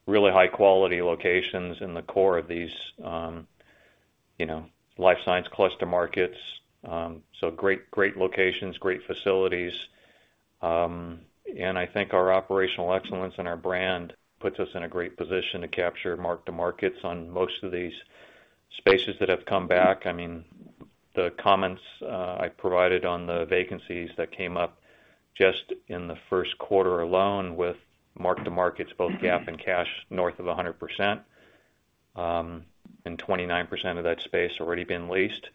really high quality locations in the core of these, you know, life science cluster markets. Great, great locations, great facilities. I think our operational excellence and our brand puts us in a great position to capture mark-to-markets on most of these spaces that have come back. I mean, the comments I provided on the vacancies that came up just in the first quarter alone with mark-to-markets, both GAAP and cash, north of 100%, and 29% of that space already been leased.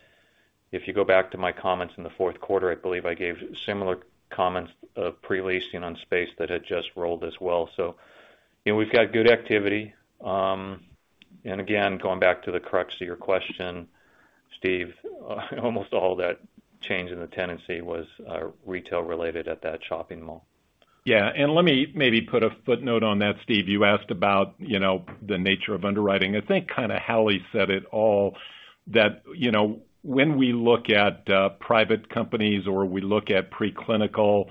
If you go back to my comments in the fourth quarter, I believe I gave similar comments of pre-leasing on space that had just rolled as well. You know, we've got good activity. Again, going back to the crux of your question, Steve, almost all that change in the tenancy was retail related at that shopping mall. Yeah. Let me maybe put a footnote on that, Steve Sakwa. You asked about, you know, the nature of underwriting. I think kind of Hallie Kuhn said it all, that, you know, when we look at private companies or we look at preclinical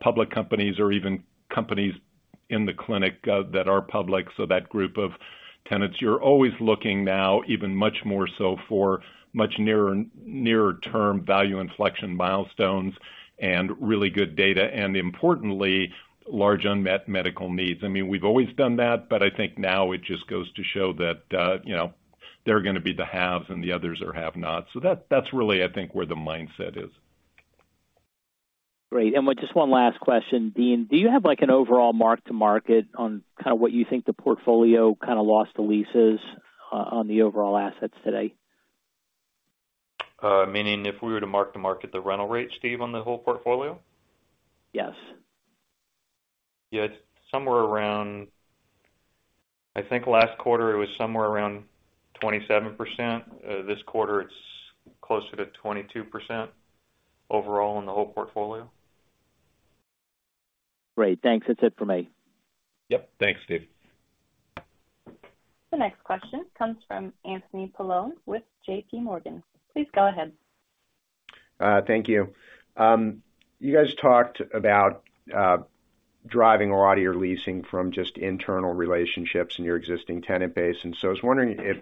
public companies or even companies in the clinic that are public, so that group of tenants, you're always looking now even much more so for much nearer term value inflection milestones and really good data, and, importantly, large unmet medical needs. I mean, we've always done that, but I think now it just goes to show that, you know, they're going to be the haves and the others are have-nots. That's really, I think, where the mindset is. Great. Just 1 last question. Dean, do you have, like, an overall mark-to-market on kind of what you think the portfolio kind of lost to leases on the overall assets today? Meaning if we were to mark-to-market the rental rate, Steve, on the whole portfolio? Yes. Yeah, I think last quarter it was somewhere around 27%. This quarter it's closer to 22% overall in the whole portfolio. Great. Thanks. That's it for me. Yep. Thanks, Steve. The next question comes from Anthony Paolone with J.P. Morgan. Please go ahead. Thank you. You guys talked about driving a lot of your leasing from just internal relationships in your existing tenant base. I was wondering if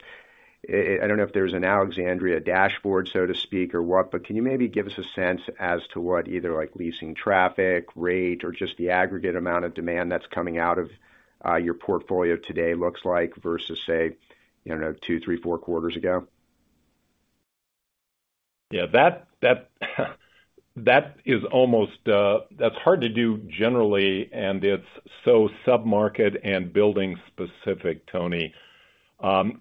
I don't know if there's an Alexandria dashboard, so to speak, or what, but can you maybe give us a sense as to what either leasing traffic, rate, or just the aggregate amount of demand that's coming out of your portfolio today looks like versus, say, 2, 3, 4 quarters ago? Yeah, that is almost. That's hard to do generally, and it's so sub-market and building specific, Tony.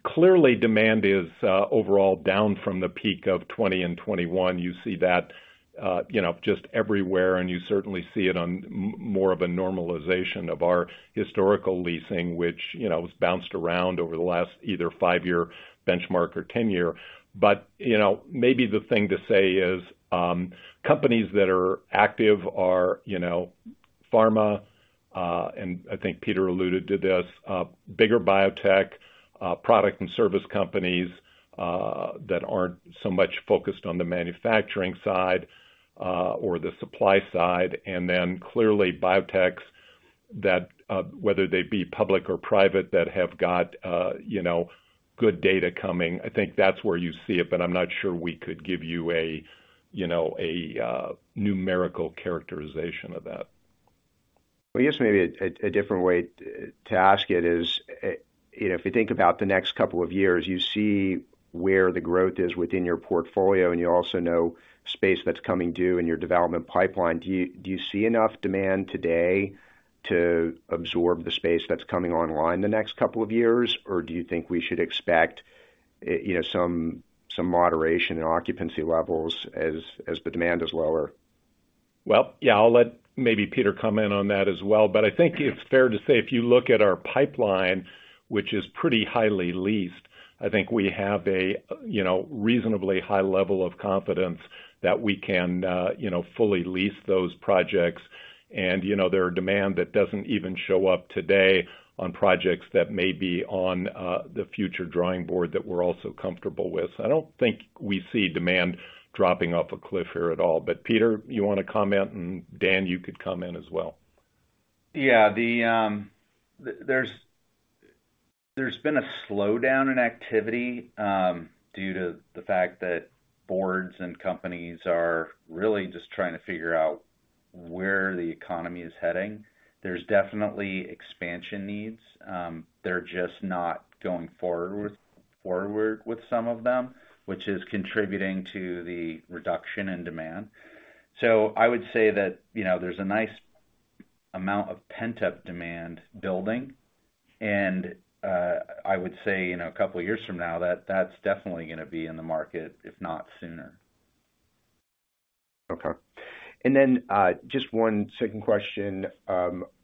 Clearly demand is overall down from the peak of 2020 and 2021. You see that, you know, just everywhere, and you certainly see it on more of a normalization of our historical leasing, which, you know, has bounced around over the last either 5-year benchmark or 10-year. You know, maybe the thing to say is, companies that are active are, you know, pharma, and I think Peter alluded to this, bigger biotech, product and service companies, that aren't so much focused on the manufacturing side, or the supply side, and then clearly biotechs. That, whether they'd be public or private, that have got, you know, good data coming. I think that's where you see it, but I'm not sure we could give you a, you know, a numerical characterization of that. I guess maybe a different way to ask it is, you know, if you think about the next couple of years, you see where the growth is within your portfolio, and you also know space that's coming due in your development pipeline. Do you see enough demand today to absorb the space that's coming online the next couple of years? Do you think we should expect, you know, some moderation in occupancy levels as the demand is lower? Yeah, I'll let maybe Peter come in on that as well. I think it's fair to say if you look at our pipeline, which is pretty highly leased, I think we have a, you know, reasonably high level of confidence that we can, you know, fully lease those projects. You know, there are demand that doesn't even show up today on projects that may be on the future drawing board that we're also comfortable with. I don't think we see demand dropping off a cliff here at all. Peter, you wanna comment? Dan, you could comment as well. Yeah. The, there's been a slowdown in activity due to the fact that boards and companies are really just trying to figure out where the economy is heading. There's definitely expansion needs. They're just not going forward with some of them, which is contributing to the reduction in demand. I would say that, you know, there's a nice amount of pent-up demand building. I would say, in a couple of years from now, that that's definitely gonna be in the market, if not sooner. Okay. Just 1 second question,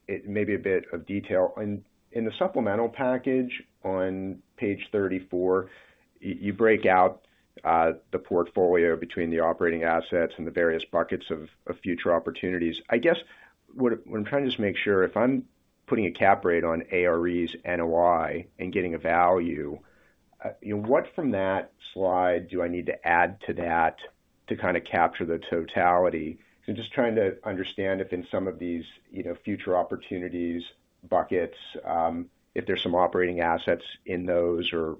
it may be a bit of detail. In the supplemental package on page 34, you break out the portfolio between the operating assets and the various buckets of future opportunities. I guess what I'm trying to just make sure if I'm putting a cap rate on ARE's NOI and getting a value, you know, what from that slide do I need to add to that to kinda capture the totality? I'm just trying to understand if in some of these, you know, future opportunities buckets, if there's some operating assets in those or...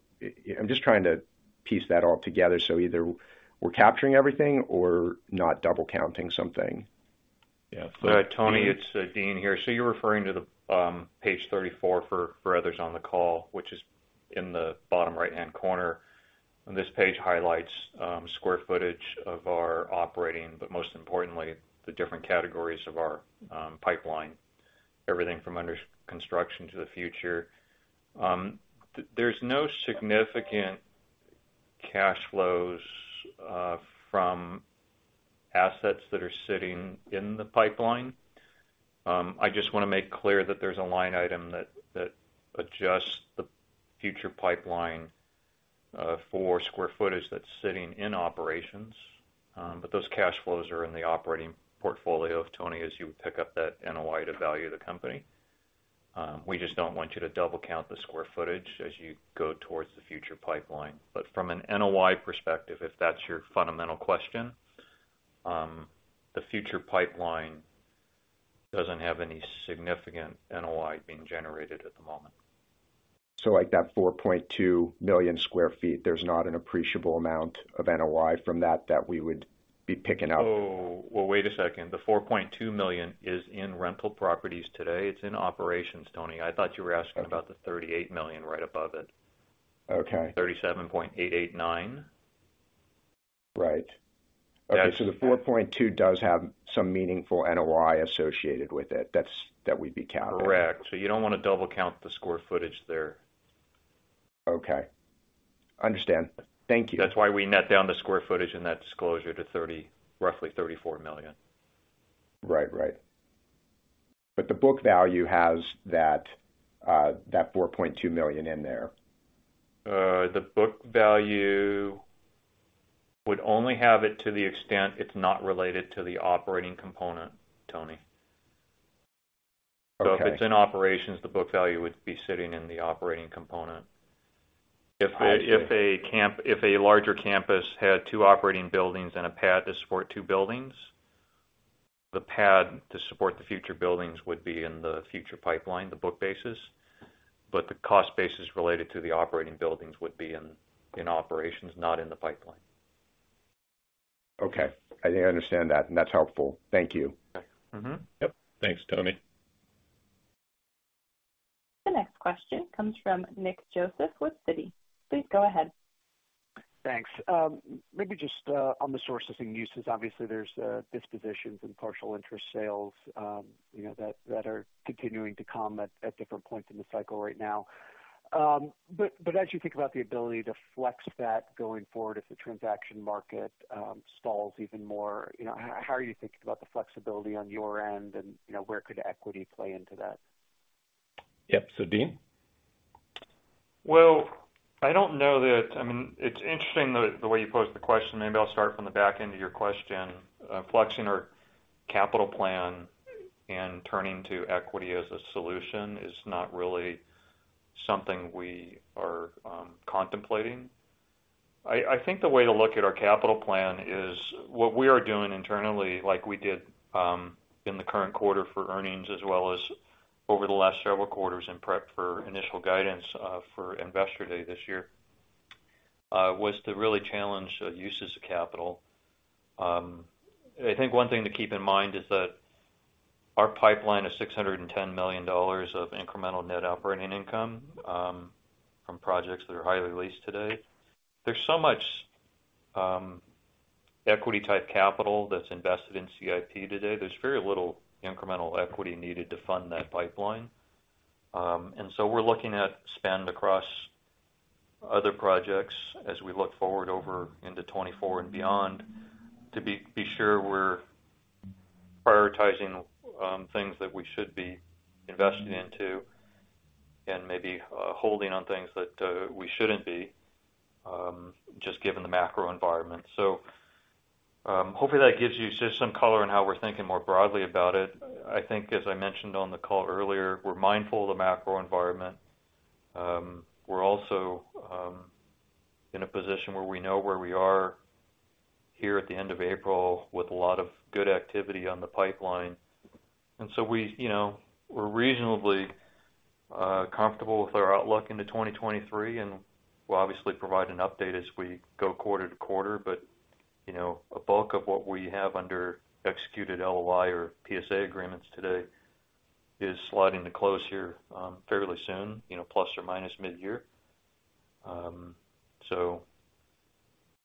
I'm just trying to piece that all together, so either we're capturing everything or not double counting something. Yeah. Tony, it's Dean here. You're referring to the page 34 for others on the call, which is in the bottom right-hand corner. This page highlights square footage of our operating, but most importantly, the different categories of our pipeline, everything from under construction to the future. There's no significant cash flows from assets that are sitting in the pipeline. I just wanna make clear that there's a line item that adjusts the future pipeline for square footage that's sitting in operations. Those cash flows are in the operating portfolio, Tony, as you would pick up that NOI to value the company. We just don't want you to double count the square footage as you go towards the future pipeline. From an NOI perspective, if that's your fundamental question, the future pipeline doesn't have any significant NOI being generated at the moment. like that 4.2 million sq ft, there's not an appreciable amount of NOI from that that we would be picking up. Well, wait a second. The $4.2 million is in rental properties today. It's in operations, Tony. I thought you were asking about the $38 million right above it. Okay. $37.889 million. Right. That's- Okay. The $4.2 does have some meaningful NOI associated with it that we'd be counting. Correct. You don't wanna double count the square footage there. Okay. Understand. Thank you. That's why we net down the square footage in that disclosure to 30, roughly 34 million. Right. Right. The book value has that $4.2 million in there. The book value would only have it to the extent it's not related to the operating component, Tony. Okay. If it's in operations, the book value would be sitting in the operating component. I see. If a larger campus had two operating buildings and a pad to support two buildings, the pad to support the future buildings would be in the future pipeline, the book basis, but the cost basis related to the operating buildings would be in operations, not in the pipeline. Okay. I think I understand that, and that's helpful. Thank you. Okay. Mm-hmm. Yep. Thanks, Tony. The next question comes from Nick Joseph with Citi. Please go ahead. Thanks. Maybe just on the sources and uses. Obviously, there's dispositions and partial interest sales, you know, that are continuing to come at different points in the cycle right now. As you think about the ability to flex that going forward, if the transaction market stalls even more, you know, how are you thinking about the flexibility on your end and, you know, where could equity play into that? Yep. Dean? Well, I don't know that... I mean, it's interesting the way you posed the question. Maybe I'll start from the back end of your question. Flexing our capital plan and turning to equity as a solution is not really something we are contemplating. I think the way to look at our capital plan is what we are doing internally, like we did in the current quarter for earnings as well as over the last several quarters in prep for initial guidance for investor day this year, was to really challenge the uses of capital. I think one thing to keep in mind is that our pipeline is $610 million of incremental net operating income from projects that are highly leased today. There's so much equity-type capital that's invested in CIP today. There's very little incremental equity needed to fund that pipeline. We're looking at spend across other projects as we look forward over into 2024 and beyond to be sure we're prioritizing things that we should be investing into and maybe holding on things that we shouldn't be, just given the macro environment. Hopefully that gives you just some color on how we're thinking more broadly about it. I think as I mentioned on the call earlier, we're mindful of the macro environment. We're also in a position where we know where we are here at the end of April with a lot of good activity on the pipeline. We, you know, we're reasonably comfortable with our outlook into 2023, and we'll obviously provide an update as we go quarter to quarter. You know, a bulk of what we have under executed LOI or PSA agreements today is sliding to close here, fairly soon, you know, plus or minus mid-year.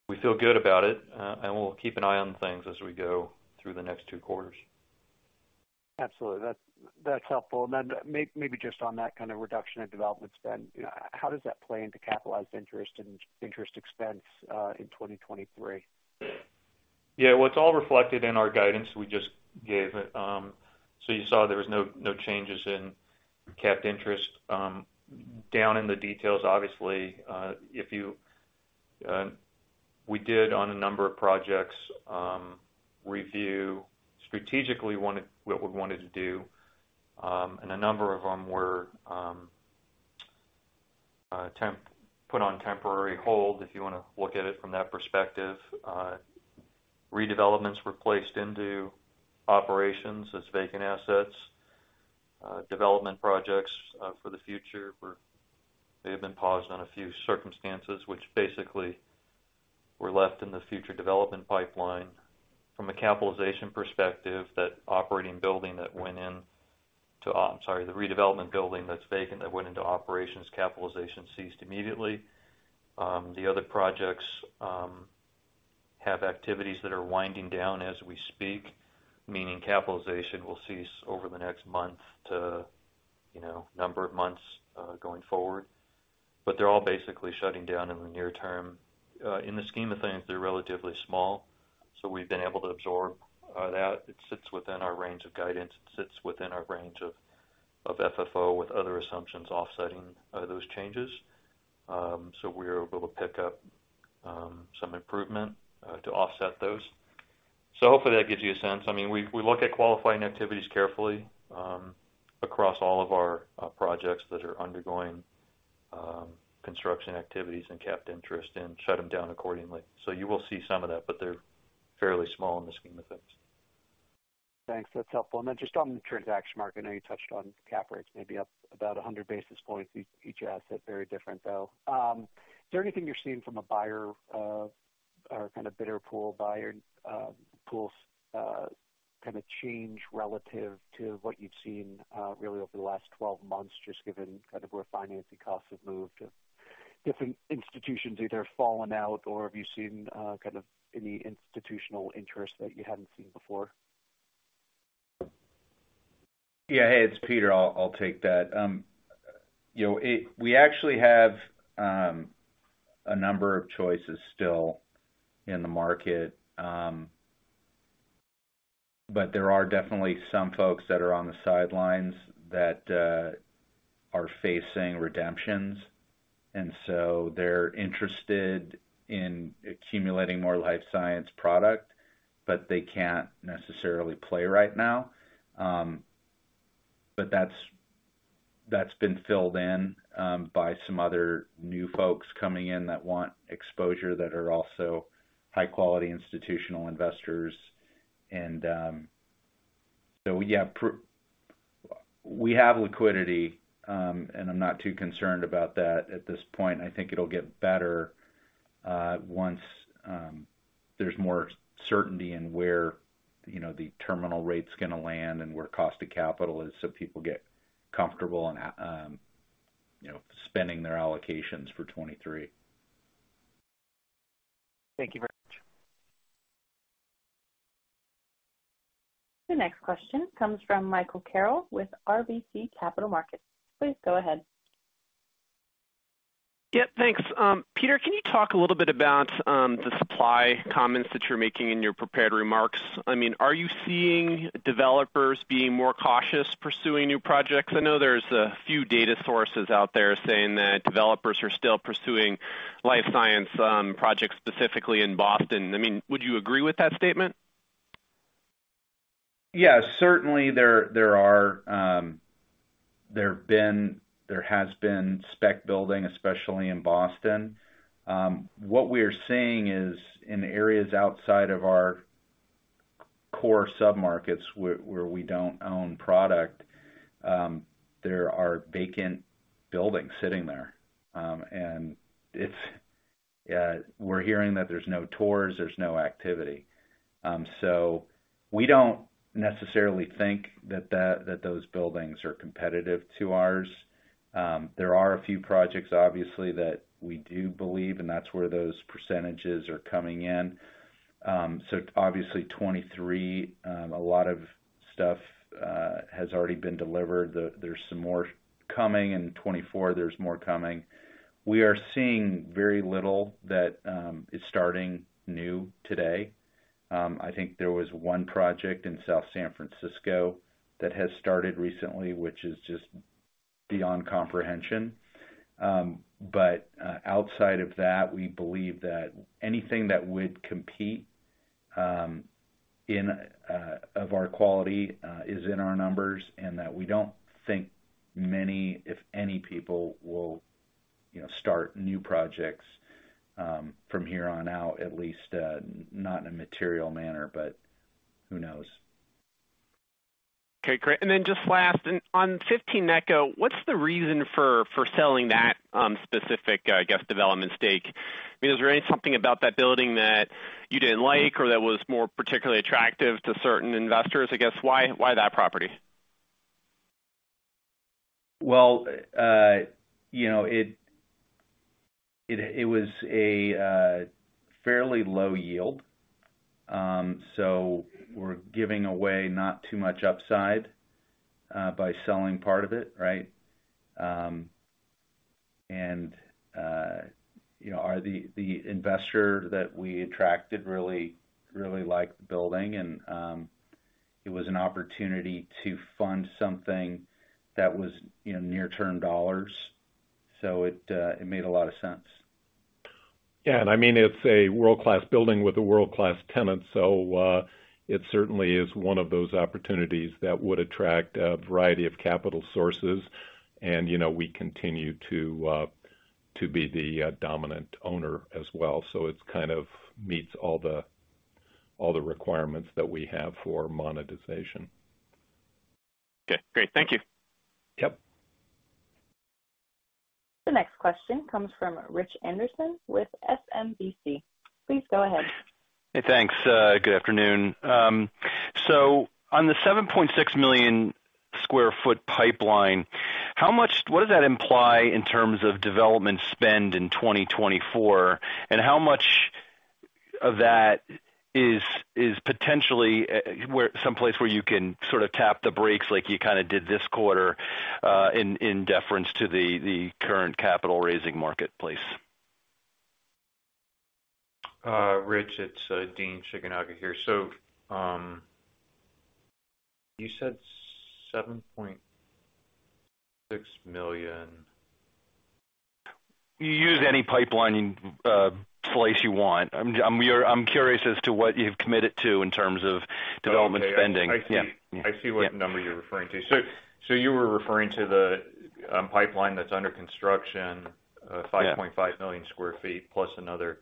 We feel good about it. We'll keep an eye on things as we go through the next 2 quarters. Absolutely. That's helpful. Then maybe just on that kind of reduction in development spend, you know, how does that play into capitalized interest and interest expense in 2023? Well, it's all reflected in our guidance we just gave. You saw there was no changes in capped interest. Down in the details, obviously, if you. We did on a number of projects, review strategically what we wanted to do, and a number of them were put on temporary hold, if you wanna look at it from that perspective. Redevelopments were placed into operations as vacant assets. Development projects for the future, they have been paused on a few circumstances, which basically were left in the future development pipeline. From a capitalization perspective, that operating building, I'm sorry, the redevelopment building that's vacant that went into operations, capitalization ceased immediately. The other projects have activities that are winding down as we speak, meaning capitalization will cease over the next month to, you know, number of months going forward. They're all basically shutting down in the near term. In the scheme of things, they're relatively small, so we've been able to absorb that. It sits within our range of guidance. It sits within our range of FFO with other assumptions offsetting those changes. We're able to pick up some improvement to offset those. Hopefully that gives you a sense. I mean, we look at qualifying activities carefully across all of our projects that are undergoing construction activities and capped interest and shut them down accordingly. You will see some of that, but they're fairly small in the scheme of things. Thanks. That's helpful. Just on the transaction market, I know you touched on cap rates maybe up about 100 basis points each asset, very different though. Is there anything you're seeing from a buyer or kind of bidder pool pools, kind of change relative to what you've seen really over the last 12 months, just given kind of where financing costs have moved? Have different institutions either fallen out or have you seen kind of any institutional interest that you hadn't seen before? Yeah. Hey, it's Peter. I'll take that. You know, we actually have a number of choices still in the market. There are definitely some folks that are on the sidelines that are facing redemptions, they're interested in accumulating more life science product, but they can't necessarily play right now. That's, that's been filled in by some other new folks coming in that want exposure that are also high-quality institutional investors. Yeah, we have liquidity, I'm not too concerned about that at this point. I think it'll get better once there's more certainty in where, you know, the terminal rate's gonna land and where cost of capital is so people get comfortable on, you know, spending their allocations for 23. Thank you very much. The next question comes from Michael Carroll with RBC Capital Markets. Please go ahead. Thanks. Peter, can you talk a little bit about the supply comments that you're making in your prepared remarks? I mean, are you seeing developers being more cautious pursuing new projects? I know there's a few data sources out there saying that developers are still pursuing life science projects specifically in Boston. I mean, would you agree with that statement? Yeah, certainly there are, there has been spec building, especially in Boston. What we are seeing is in areas outside of our core submarkets where we don't own product, there are vacant buildings sitting there. If we're hearing that there's no tours, there's no activity. We don't necessarily think that those buildings are competitive to ours. There are a few projects obviously that we do believe, and that's where those percentages are coming in. Obviously 23, a lot of stuff has already been delivered. There's some more coming in 24, there's more coming. We are seeing very little that is starting new today. I think there was one project in South San Francisco that has started recently, which is just beyond comprehension. Outside of that, we believe that anything that would compete, in, of our quality, is in our numbers, and that we don't think many, if any, people will, you know, start new projects, from here on out, at least, not in a material manner, but who knows? Okay, great. Then just last on 15 Necco, what's the reason for selling that specific, I guess, development stake? Is there any something about that building that you didn't like or that was more particularly attractive to certain investors? I guess, why that property? Well, you know, it was a fairly low yield. We're giving away not too much upside by selling part of it, right? You know, the investor that we attracted really, really liked the building and it was an opportunity to fund something that was, you know, near term dollars. It made a lot of sense. Yeah. I mean, it's a world-class building with a world-class tenant. It certainly is one of those opportunities that would attract a variety of capital sources. You know, we continue to be the dominant owner as well. It kind of meets all the requirements that we have for monetization. Okay, great. Thank you. Yep. The next question comes from Rich Anderson with SMBC. Please go ahead. Hey, thanks. Good afternoon. On the 7.6 million sq ft pipeline, what does that imply in terms of development spend in 2024? How much of that is potentially someplace where you can sort of tap the brakes like you kinda did this quarter, in deference to the current capital raising marketplace? Rich, it's Dean Shigenaga here. You said 7.6 million? You use any pipeline slice you want. I'm curious as to what you've committed to in terms of development spending. Okay. I see. Yeah. I see what number you're referring to. You were referring to the pipeline that's under construction. Yeah. 5.5 million sq ft plus another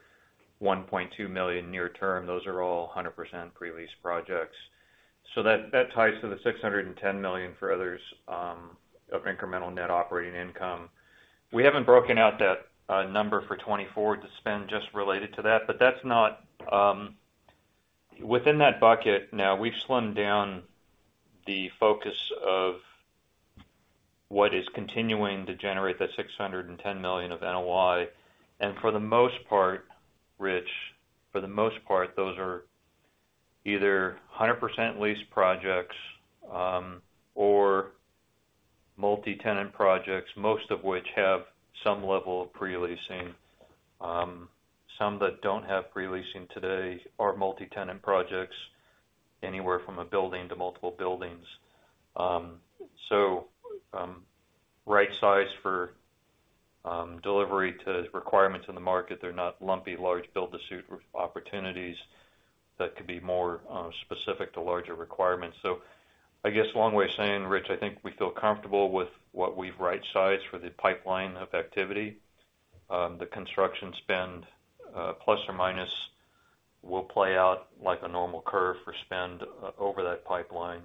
1.2 million near term. Those are all 100% pre-leased projects. That ties to the $610 million for others of incremental net operating income. We haven't broken out that number for 2024 to spend just related to that. That's not. Within that bucket, now we've slimmed down the focus of what is continuing to generate the $610 million of NOI. For the most part, Rich, those are either 100% leased projects or multi-tenant projects, most of which have some level of pre-leasing. Some that don't have pre-leasing today are multi-tenant projects, anywhere from a building to multiple buildings. Right size for delivery to requirements in the market. They're not lumpy, large build to suit opportunities that could be more specific to larger requirements. I guess, long way of saying, Rich, I think we feel comfortable with what we've right-sized for the pipeline of activity. The construction spend, ±, will play out like a normal curve for spend over that pipeline,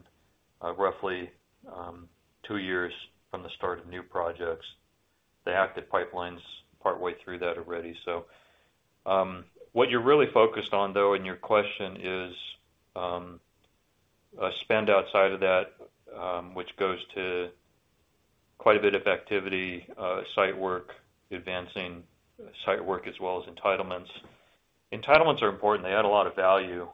roughly, two years from the start of new projects. The active pipeline's partway through that already. What you're really focused on, though, in your question is spend outside of that, which goes to quite a bit of activity, site work, advancing site work as well as entitlements. Entitlements are important. They add a lot of value.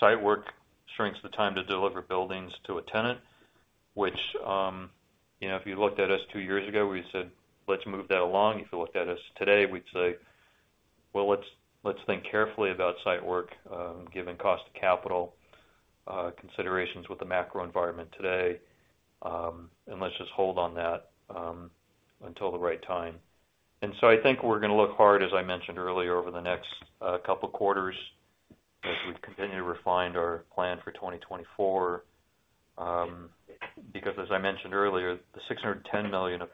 Site work shrinks the time to deliver buildings to a tenant, which, you know, if you looked at us two years ago, we said, Let's move that along. If you looked at us today, we'd say, Well, let's think carefully about site work, given cost of capital, considerations with the macro environment today. Let's just hold on that until the right time. I think we're gonna look hard, as I mentioned earlier, over the next couple quarters as we continue to refine our plan for 2024. As I mentioned earlier, the $610 million of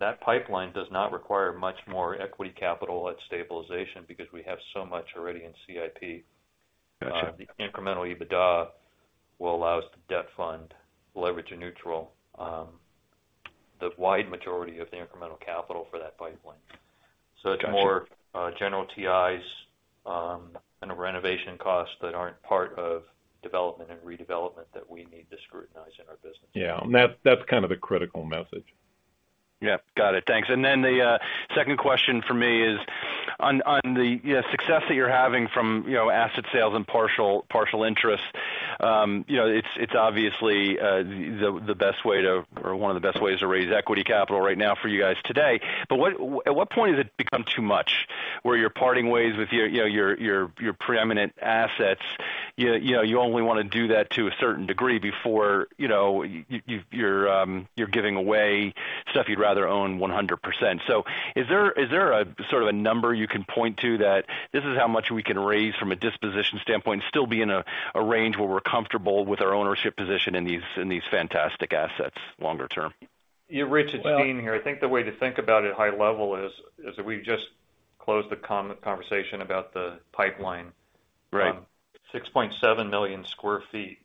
that pipeline does not require much more equity capital at stabilization because we have so much already in CIP. Gotcha. The incremental EBITDA will allow us to debt fund leverage a neutral, the wide majority of the incremental capital for that pipeline. Gotcha. It's more, general TIs, and renovation costs that aren't part of development and redevelopment that we need to scrutinize in our business. Yeah. That's kind of the critical message. Yeah. Got it. Thanks. The second question from me is on the, you know, success that you're having from, you know, asset sales and partial interest, you know, it's obviously the best way to... or one of the best ways to raise equity capital right now for you guys today. At what point does it become too much where you're parting ways with your, you know, your preeminent assets? You know, you only wanna do that to a certain degree before, you know, you're giving away stuff you'd rather own 100%. Is there a sort of a number you can point to that this is how much we can raise from a disposition standpoint, still be in a range where we're comfortable with our ownership position in these fantastic assets longer term? Yeah, Rich, it's Dean here. I think the way to think about it high level is that we just closed the conversation about the pipeline. Right. 6.7 million sq ft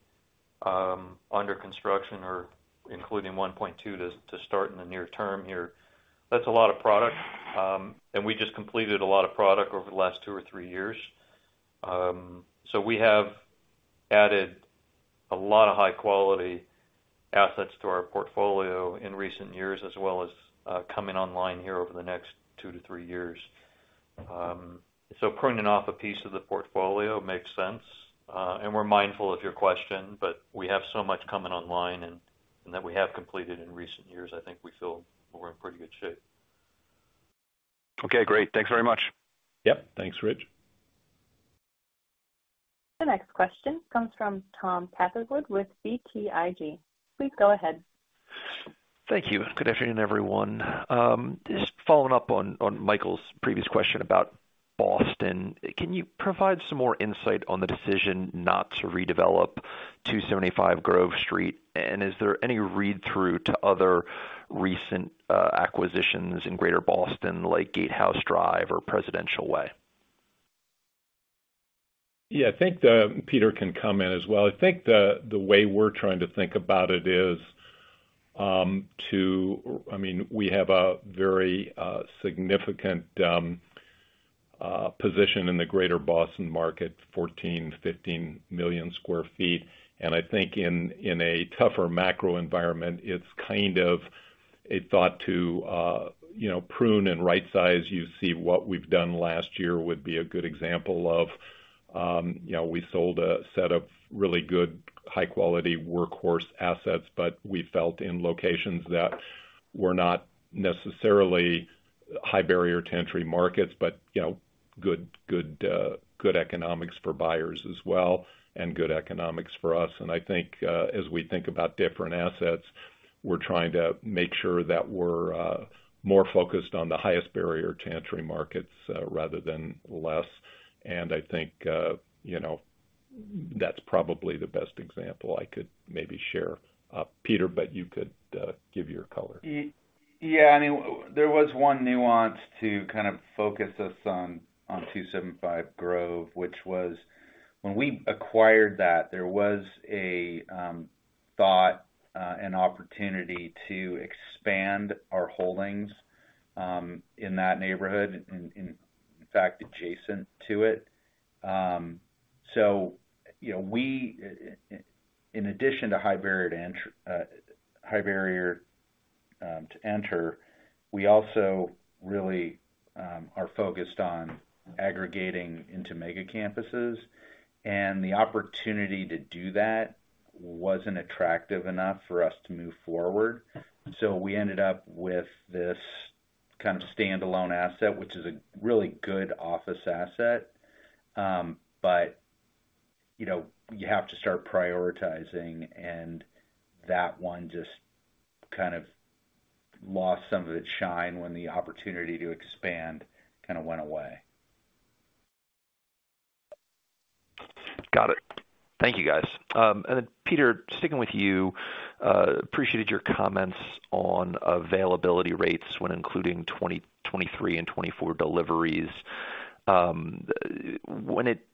under construction or including 1.2 to start in the near term here. That's a lot of product. We just completed a lot of product over the last two or three years. We have added a lot of high quality assets to our portfolio in recent years as well as coming online here over the next two to three years. Pruning off a piece of the portfolio makes sense. We're mindful of your question, but we have so much coming online and that we have completed in recent years, I think we feel we're in pretty good shape. Okay, great. Thanks very much. Yep. Thanks, Rich. The next question comes from Tom Catherwood with BTIG. Please go ahead. Thank you. Good afternoon, everyone. Just following up on Michael's previous question about Boston. Can you provide some more insight on the decision not to redevelop 275 Grove Street? Is there any read-through to other recent acquisitions in Greater Boston, like Gatehouse Drive or Presidential Way? I think Peter can come in as well. I think the way we're trying to think about it is, I mean, we have a very significant position in the Greater Boston market, 14, 15 million sq ft. I think in a tougher macro environment, it's kind of a thought to, you know, prune and rightsize. You see what we've done last year would be a good example of, you know, we sold a set of really good high quality workhorse assets, but we felt in locations that were not necessarily high barrier to entry markets, but, you know, good economics for buyers as well, and good economics for us. I think, as we think about different assets, we're trying to make sure that we're more focused on the highest barrier to entry markets rather than less. I think, you know, that's probably the best example I could maybe share. Peter, you could give your color. Yeah, I mean, there was one nuance to kind of focus us on 275 Grove, which was when we acquired that, there was a thought and opportunity to expand our holdings in that neighborhood, in fact, adjacent to it. You know, we in addition to high barrier to enter, we also really are focused on aggregating into mega campuses. The opportunity to do that wasn't attractive enough for us to move forward. We ended up with this kind of standalone asset, which is a really good office asset. You know, you have to start prioritizing, and that one just kind of lost some of its shine when the opportunity to expand kind of went away. Got it. Thank you, guys. Peter, sticking with you, appreciated your comments on availability rates when including 2023 and 2024 deliveries. When it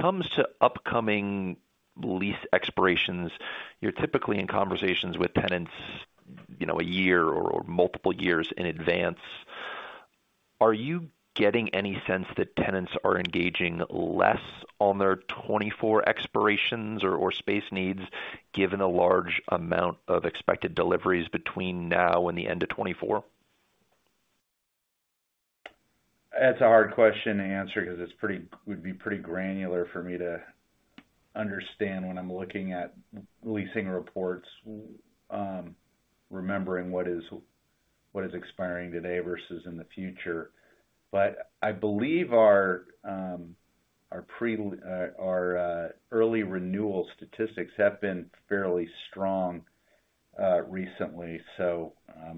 comes to upcoming lease expirations, you know, you're typically in conversations with tenants a year or multiple years in advance. Are you getting any sense that tenants are engaging less on their 2024 expirations or space needs given the large amount of expected deliveries between now and the end of 2024? That's a hard question to answer 'cause it's pretty granular for me to understand when I'm looking at leasing reports. Remembering what is expiring today versus in the future. I believe our early renewal statistics have been fairly strong recently.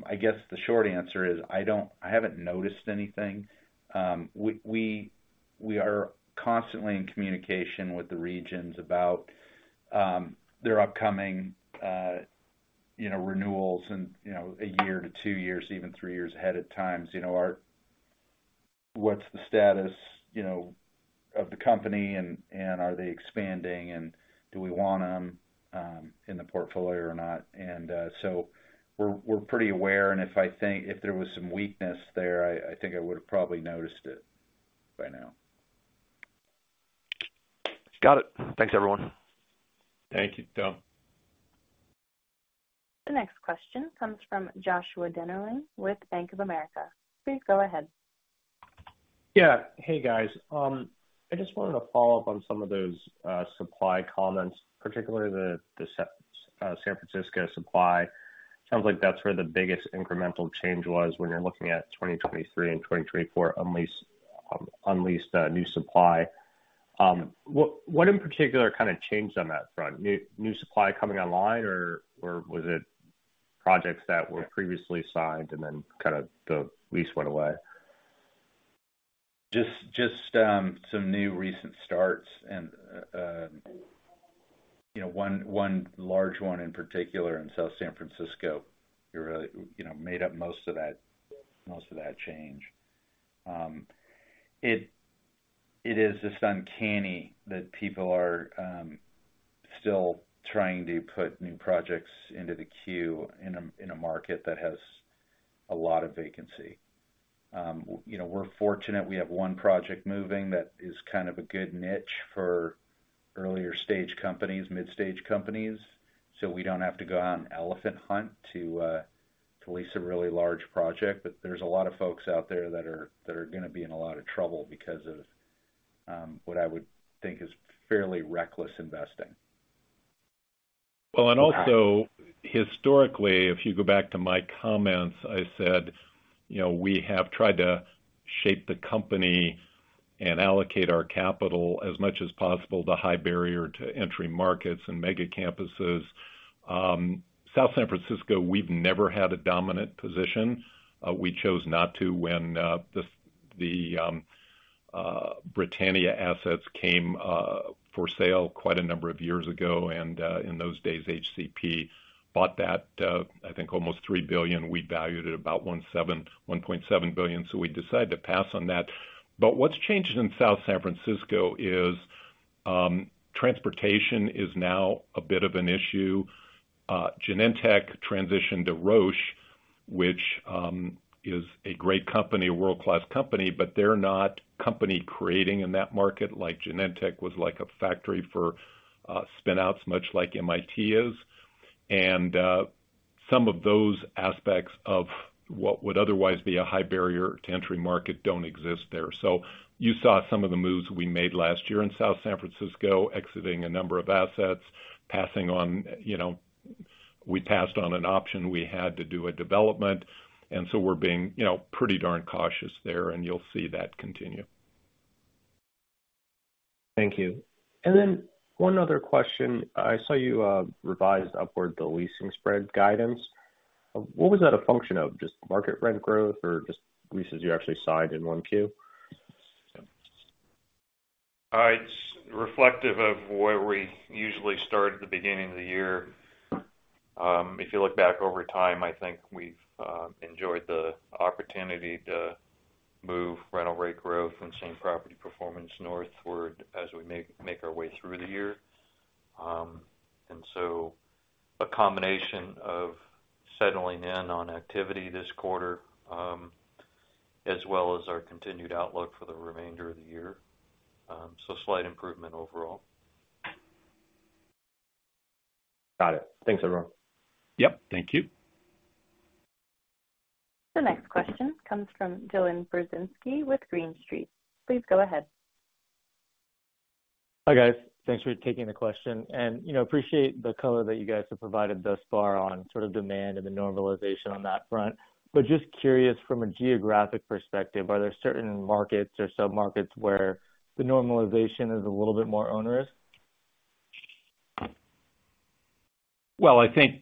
I guess the short answer is I haven't noticed anything. We are constantly in communication with the regions about their upcoming, you know, renewals and, you know, a year to 2 years, even 3 years ahead at times. You know, our... What's the status, you know, of the company and are they expanding and do we want them in the portfolio or not? We're pretty aware. If I think if there was some weakness there, I think I would have probably noticed it by now. Got it. Thanks, everyone. Thank you, Tom. The next question comes from Joshua Dennerlein with Bank of America. Please go ahead. Yeah. Hey, guys. I just wanted to follow up on some of those supply comments, particularly the San Francisco supply. Sounds like that's where the biggest incremental change was when you're looking at 2023 and 2024 unleased new supply. What in particular kind of changed on that front? New supply coming online, or was it projects that were previously signed and then kind of the lease went away? Just some new recent starts and, you know, one large one in particular in South San Francisco, you know, made up most of that change. It is just uncanny that people are still trying to put new projects into the queue in a market that has a lot of vacancy. You know, we're fortunate we have one project moving that is kind of a good niche for earlier stage companies, midstage companies, so we don't have to go on elephant hunt to lease a really large project. There's a lot of folks out there that are gonna be in a lot of trouble because of what I would think is fairly reckless investing. Well, also historically, if you go back to my comments, I said, you know, we have tried to shape the company and allocate our capital as much as possible to high barrier to entry markets and mega campuses. South San Francisco, we've never had a dominant position. We chose not to when the Britannia assets came for sale quite a number of years ago. In those days, HCP bought that, I think almost $3 billion. We valued at about $1.7 billion. We decided to pass on that. What's changed in South San Francisco is transportation is now a bit of an issue. Genentech transitioned to Roche, which is a great company, a world-class company, but they're not company creating in that market like Genentech was like a factory for spin-outs, much like MIT is. Some of those aspects of what would otherwise be a high barrier to entry market don't exist there. You saw some of the moves we made last year in South San Francisco, exiting a number of assets, passing on, you know, we passed on an option, we had to do a development. We're being, you know, pretty darn cautious there, and you'll see that continue. Thank you. One other question. I saw you revised upward the leasing spread guidance. What was that a function of? Just market rent growth or just leases you actually signed in 1Q? It's reflective of where we usually start at the beginning of the year. If you look back over time, I think we've enjoyed the opportunity to move rental rate growth and same property performance northward as we make our way through the year. A combination of settling in on activity this quarter, as well as our continued outlook for the remainder of the year. Slight improvement overall. Got it. Thanks, everyone. Yep. Thank you. The next question comes from Dylan Burzinski with Green Street. Please go ahead. Hi, guys. Thanks for taking the question. You know, appreciate the color that you guys have provided thus far on sort of demand and the normalization on that front. Just curious, from a geographic perspective, are there certain markets or submarkets where the normalization is a little bit more onerous? Well, I think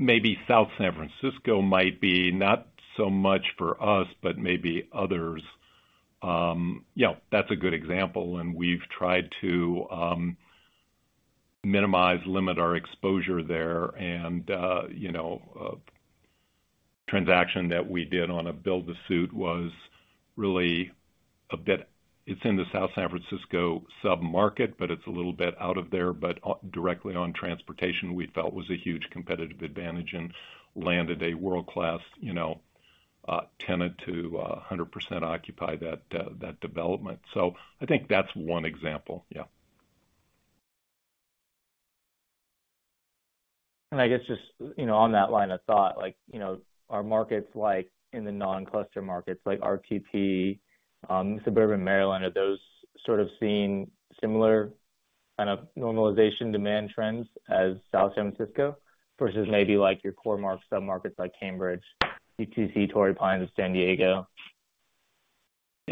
maybe South San Francisco might be not so much for us, but maybe others. Yeah, that's a good example. We've tried to minimize, limit our exposure there. A transaction that we did on a build to suit was really a bit. It's in the South San Francisco submarket, but it's a little bit out of there, but directly on transportation, we felt was a huge competitive advantage and landed a world-class, you know, tenant to 100% occupy that development. I think that's one example. Yeah. I guess just, you know, on that line of thought, like, you know, are markets like in the non-cluster markets like RTP, suburban Maryland, are those sort of seeing similar kind of normalization demand trends as South San Francisco versus maybe like your core mark submarkets like Cambridge, UTC, Torrey Pines, and San Diego.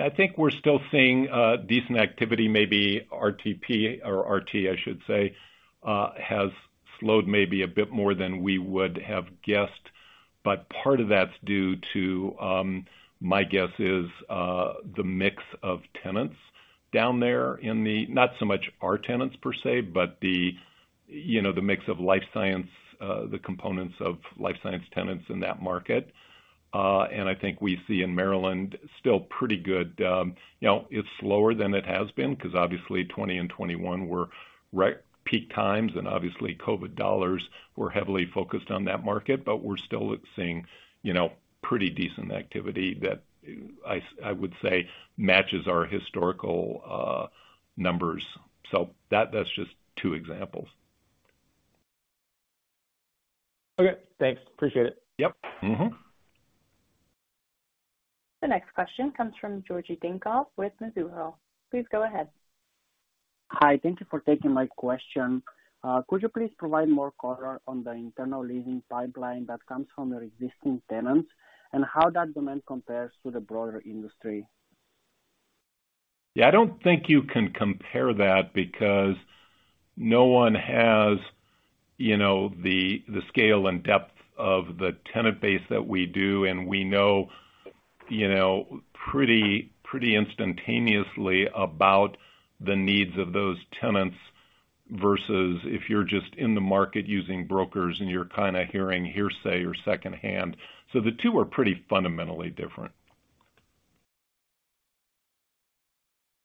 I think we're still seeing decent activity. Maybe RTP, or RT I should say, has slowed maybe a bit more than we would have guessed. Part of that's due to my guess is the mix of tenants down there not so much our tenants per se, but the, you know, the mix of life science, the components of life science tenants in that market. I think we see in Maryland still pretty good, you know, it's slower than it has been because obviously 2020 and 2021 were peak times and obviously COVID dollars were heavily focused on that market. We're still seeing, you know, pretty decent activity that I would say matches our historical numbers. That's just two examples. Okay, thanks. Appreciate it. Yep. Mm-hmm. The next question comes from Georgi Dinkov with Mizuho. Please go ahead. Hi. Thank you for taking my question. Could you please provide more color on the internal leasing pipeline that comes from your existing tenants and how that demand compares to the broader industry? Yeah, I don't think you can compare that because no one has, you know, the scale and depth of the tenant base that we do, and we know, you know, pretty instantaneously about the needs of those tenants versus if you're just in the market using brokers and you're kinda hearing hearsay or secondhand. The two are pretty fundamentally different.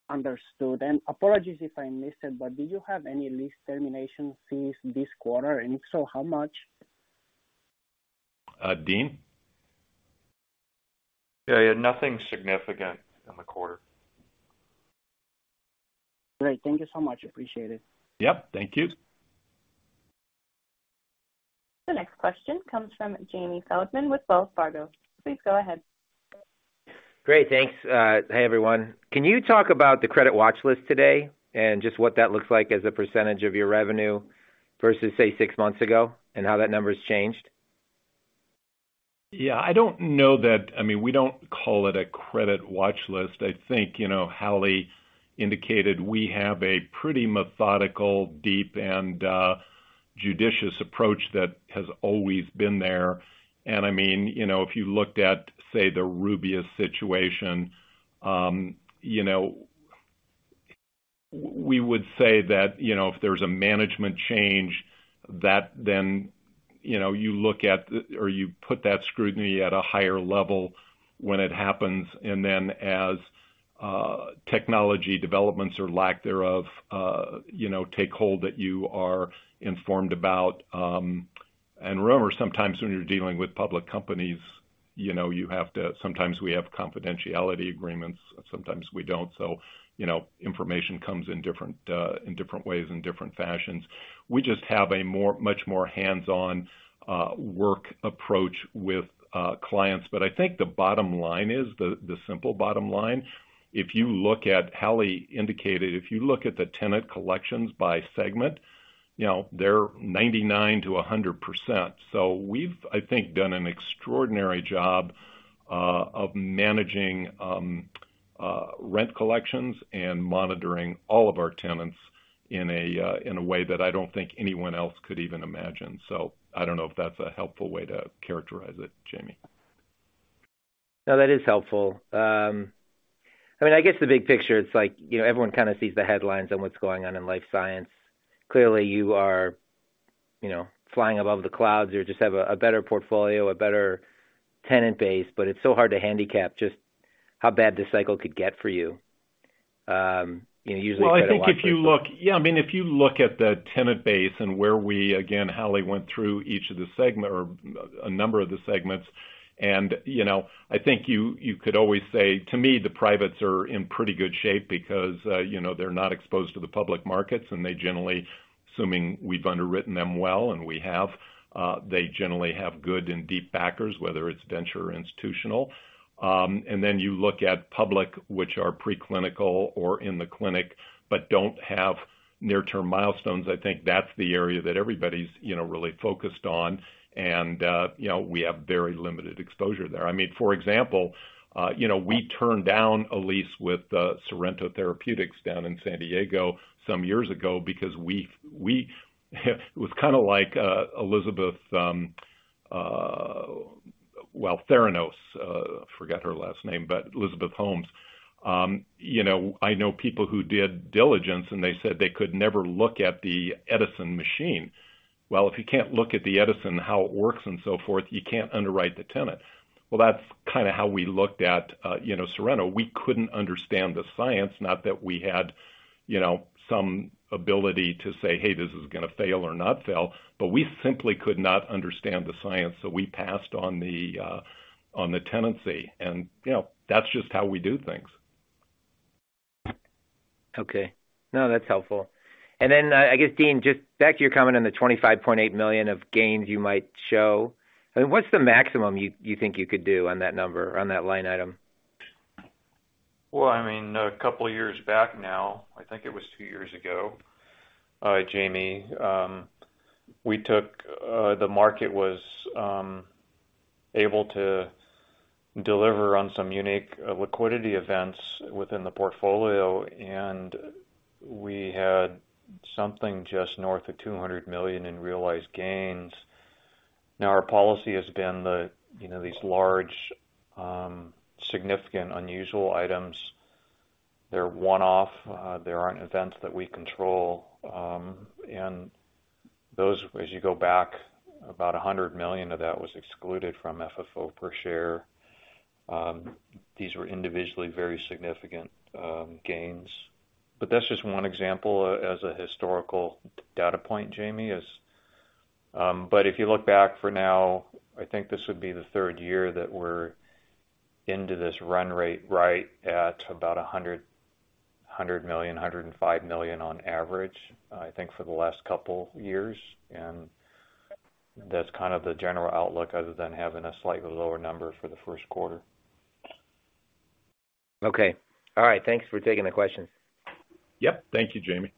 Understood. Apologies if I missed it, but did you have any lease termination fees this quarter? If so, how much? Dean? Yeah. Nothing significant in the quarter. Great. Thank you so much. Appreciate it. Yep, thank you. The next question comes from Jamie Feldman with Wells Fargo. Please go ahead. Great, thanks. Hey, everyone. Can you talk about the credit watch list today and just what that looks like as a % of your revenue versus, say, 6 months ago, and how that number's changed? Yeah, I don't know that. I mean, we don't call it a credit watch list. I think, you know, Hallie indicated we have a pretty methodical, deep, and judicious approach that has always been there. I mean, you know, if you looked at, say, the Rubius situation, you know, we would say that, you know, if there's a management change that then, you know, you look at or you put that scrutiny at a higher level when it happens. Then as technology developments or lack thereof, you know, take hold that you are informed about. Remember, sometimes when you're dealing with public companies, you know, you have to, sometimes we have confidentiality agreements, sometimes we don't. You know, information comes in different ways, in different fashions. We just have a more, much more hands-on work approach with clients. I think the bottom line is, the simple bottom line, if you look at Hallie indicated, if you look at the tenant collections by segment, you know, they're 99% to 100%. We've, I think, done an extraordinary job of managing rent collections and monitoring all of our tenants in a way that I don't think anyone else could even imagine. I don't know if that's a helpful way to characterize it, Jamie. No, that is helpful. I mean, I guess the big picture, it's like, you know, everyone kind of sees the headlines on what's going on in life science. Clearly, you are, you know, flying above the clouds or just have a better portfolio, a better tenant base, but it's so hard to handicap just how bad this cycle could get for you. Well, I think if you look. Yeah, I mean, if you look at the tenant base and where we, again, Hallie went through each of the segment or a number of the segments. I think you could always say, to me, the privates are in pretty good shape because, you know, they're not exposed to the public markets, and they generally, assuming we've underwritten them well, and we have, they generally have good and deep backers, whether it's venture institutional. Then you look at public, which are preclinical or in the clinic but don't have near-term milestones. I think that's the area that everybody's, you know, really focused on. You know, we have very limited exposure there. I mean, for example, you know, we turned down a lease with Sorrento Therapeutics down in San Diego some years ago because we it was kinda like Elizabeth, well, Theranos, forget her last name, but Elizabeth Holmes. You know, I know people who did diligence, and they said they could never look at the Edison machine. Well, if you can't look at the Edison, how it works and so forth, you can't underwrite the tenant. Well, that's kinda how we looked at, you know, Sorrento. We couldn't understand the science, not that we had, you know, some ability to say, "Hey, this is gonna fail or not fail," but we simply could not understand the science, so we passed on the tenancy. You know, that's just how we do things. Okay. No, that's helpful. Then, I guess, Dean, just back to your comment on the $25.8 million of gains you might show, I mean, what's the maximum you think you could do on that number, on that line item? Well, I mean, a couple of years back now, I think it was 2 years ago, Jamie, the market was able to deliver on some unique liquidity events within the portfolio, and we had something just north of $200 million in realized gains. Our policy has been that, you know, these large, significant, unusual items, they're one-off. There aren't events that we control. Those, as you go back, about $100 million of that was excluded from FFO per share. These were individually very significant gains. That's just one example as a historical data point, Jamie. If you look back for now, I think this would be the third year that we're into this run rate right at about $100 million, $105 million on average, I think, for the last couple years. That's kind of the general outlook other than having a slightly lower number for the first quarter. Okay. All right. Thanks for taking the questions. Yep. Thank you, Jamie.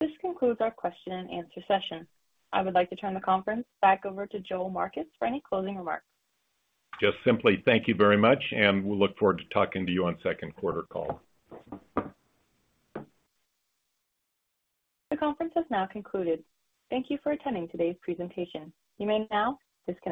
This concludes our question and answer session. I would like to turn the conference back over to Joel Marcus for any closing remarks. Just simply thank you very much, and we'll look forward to talking to you on second quarter call. The conference has now concluded. Thank you for attending today's presentation. You may now disconnect.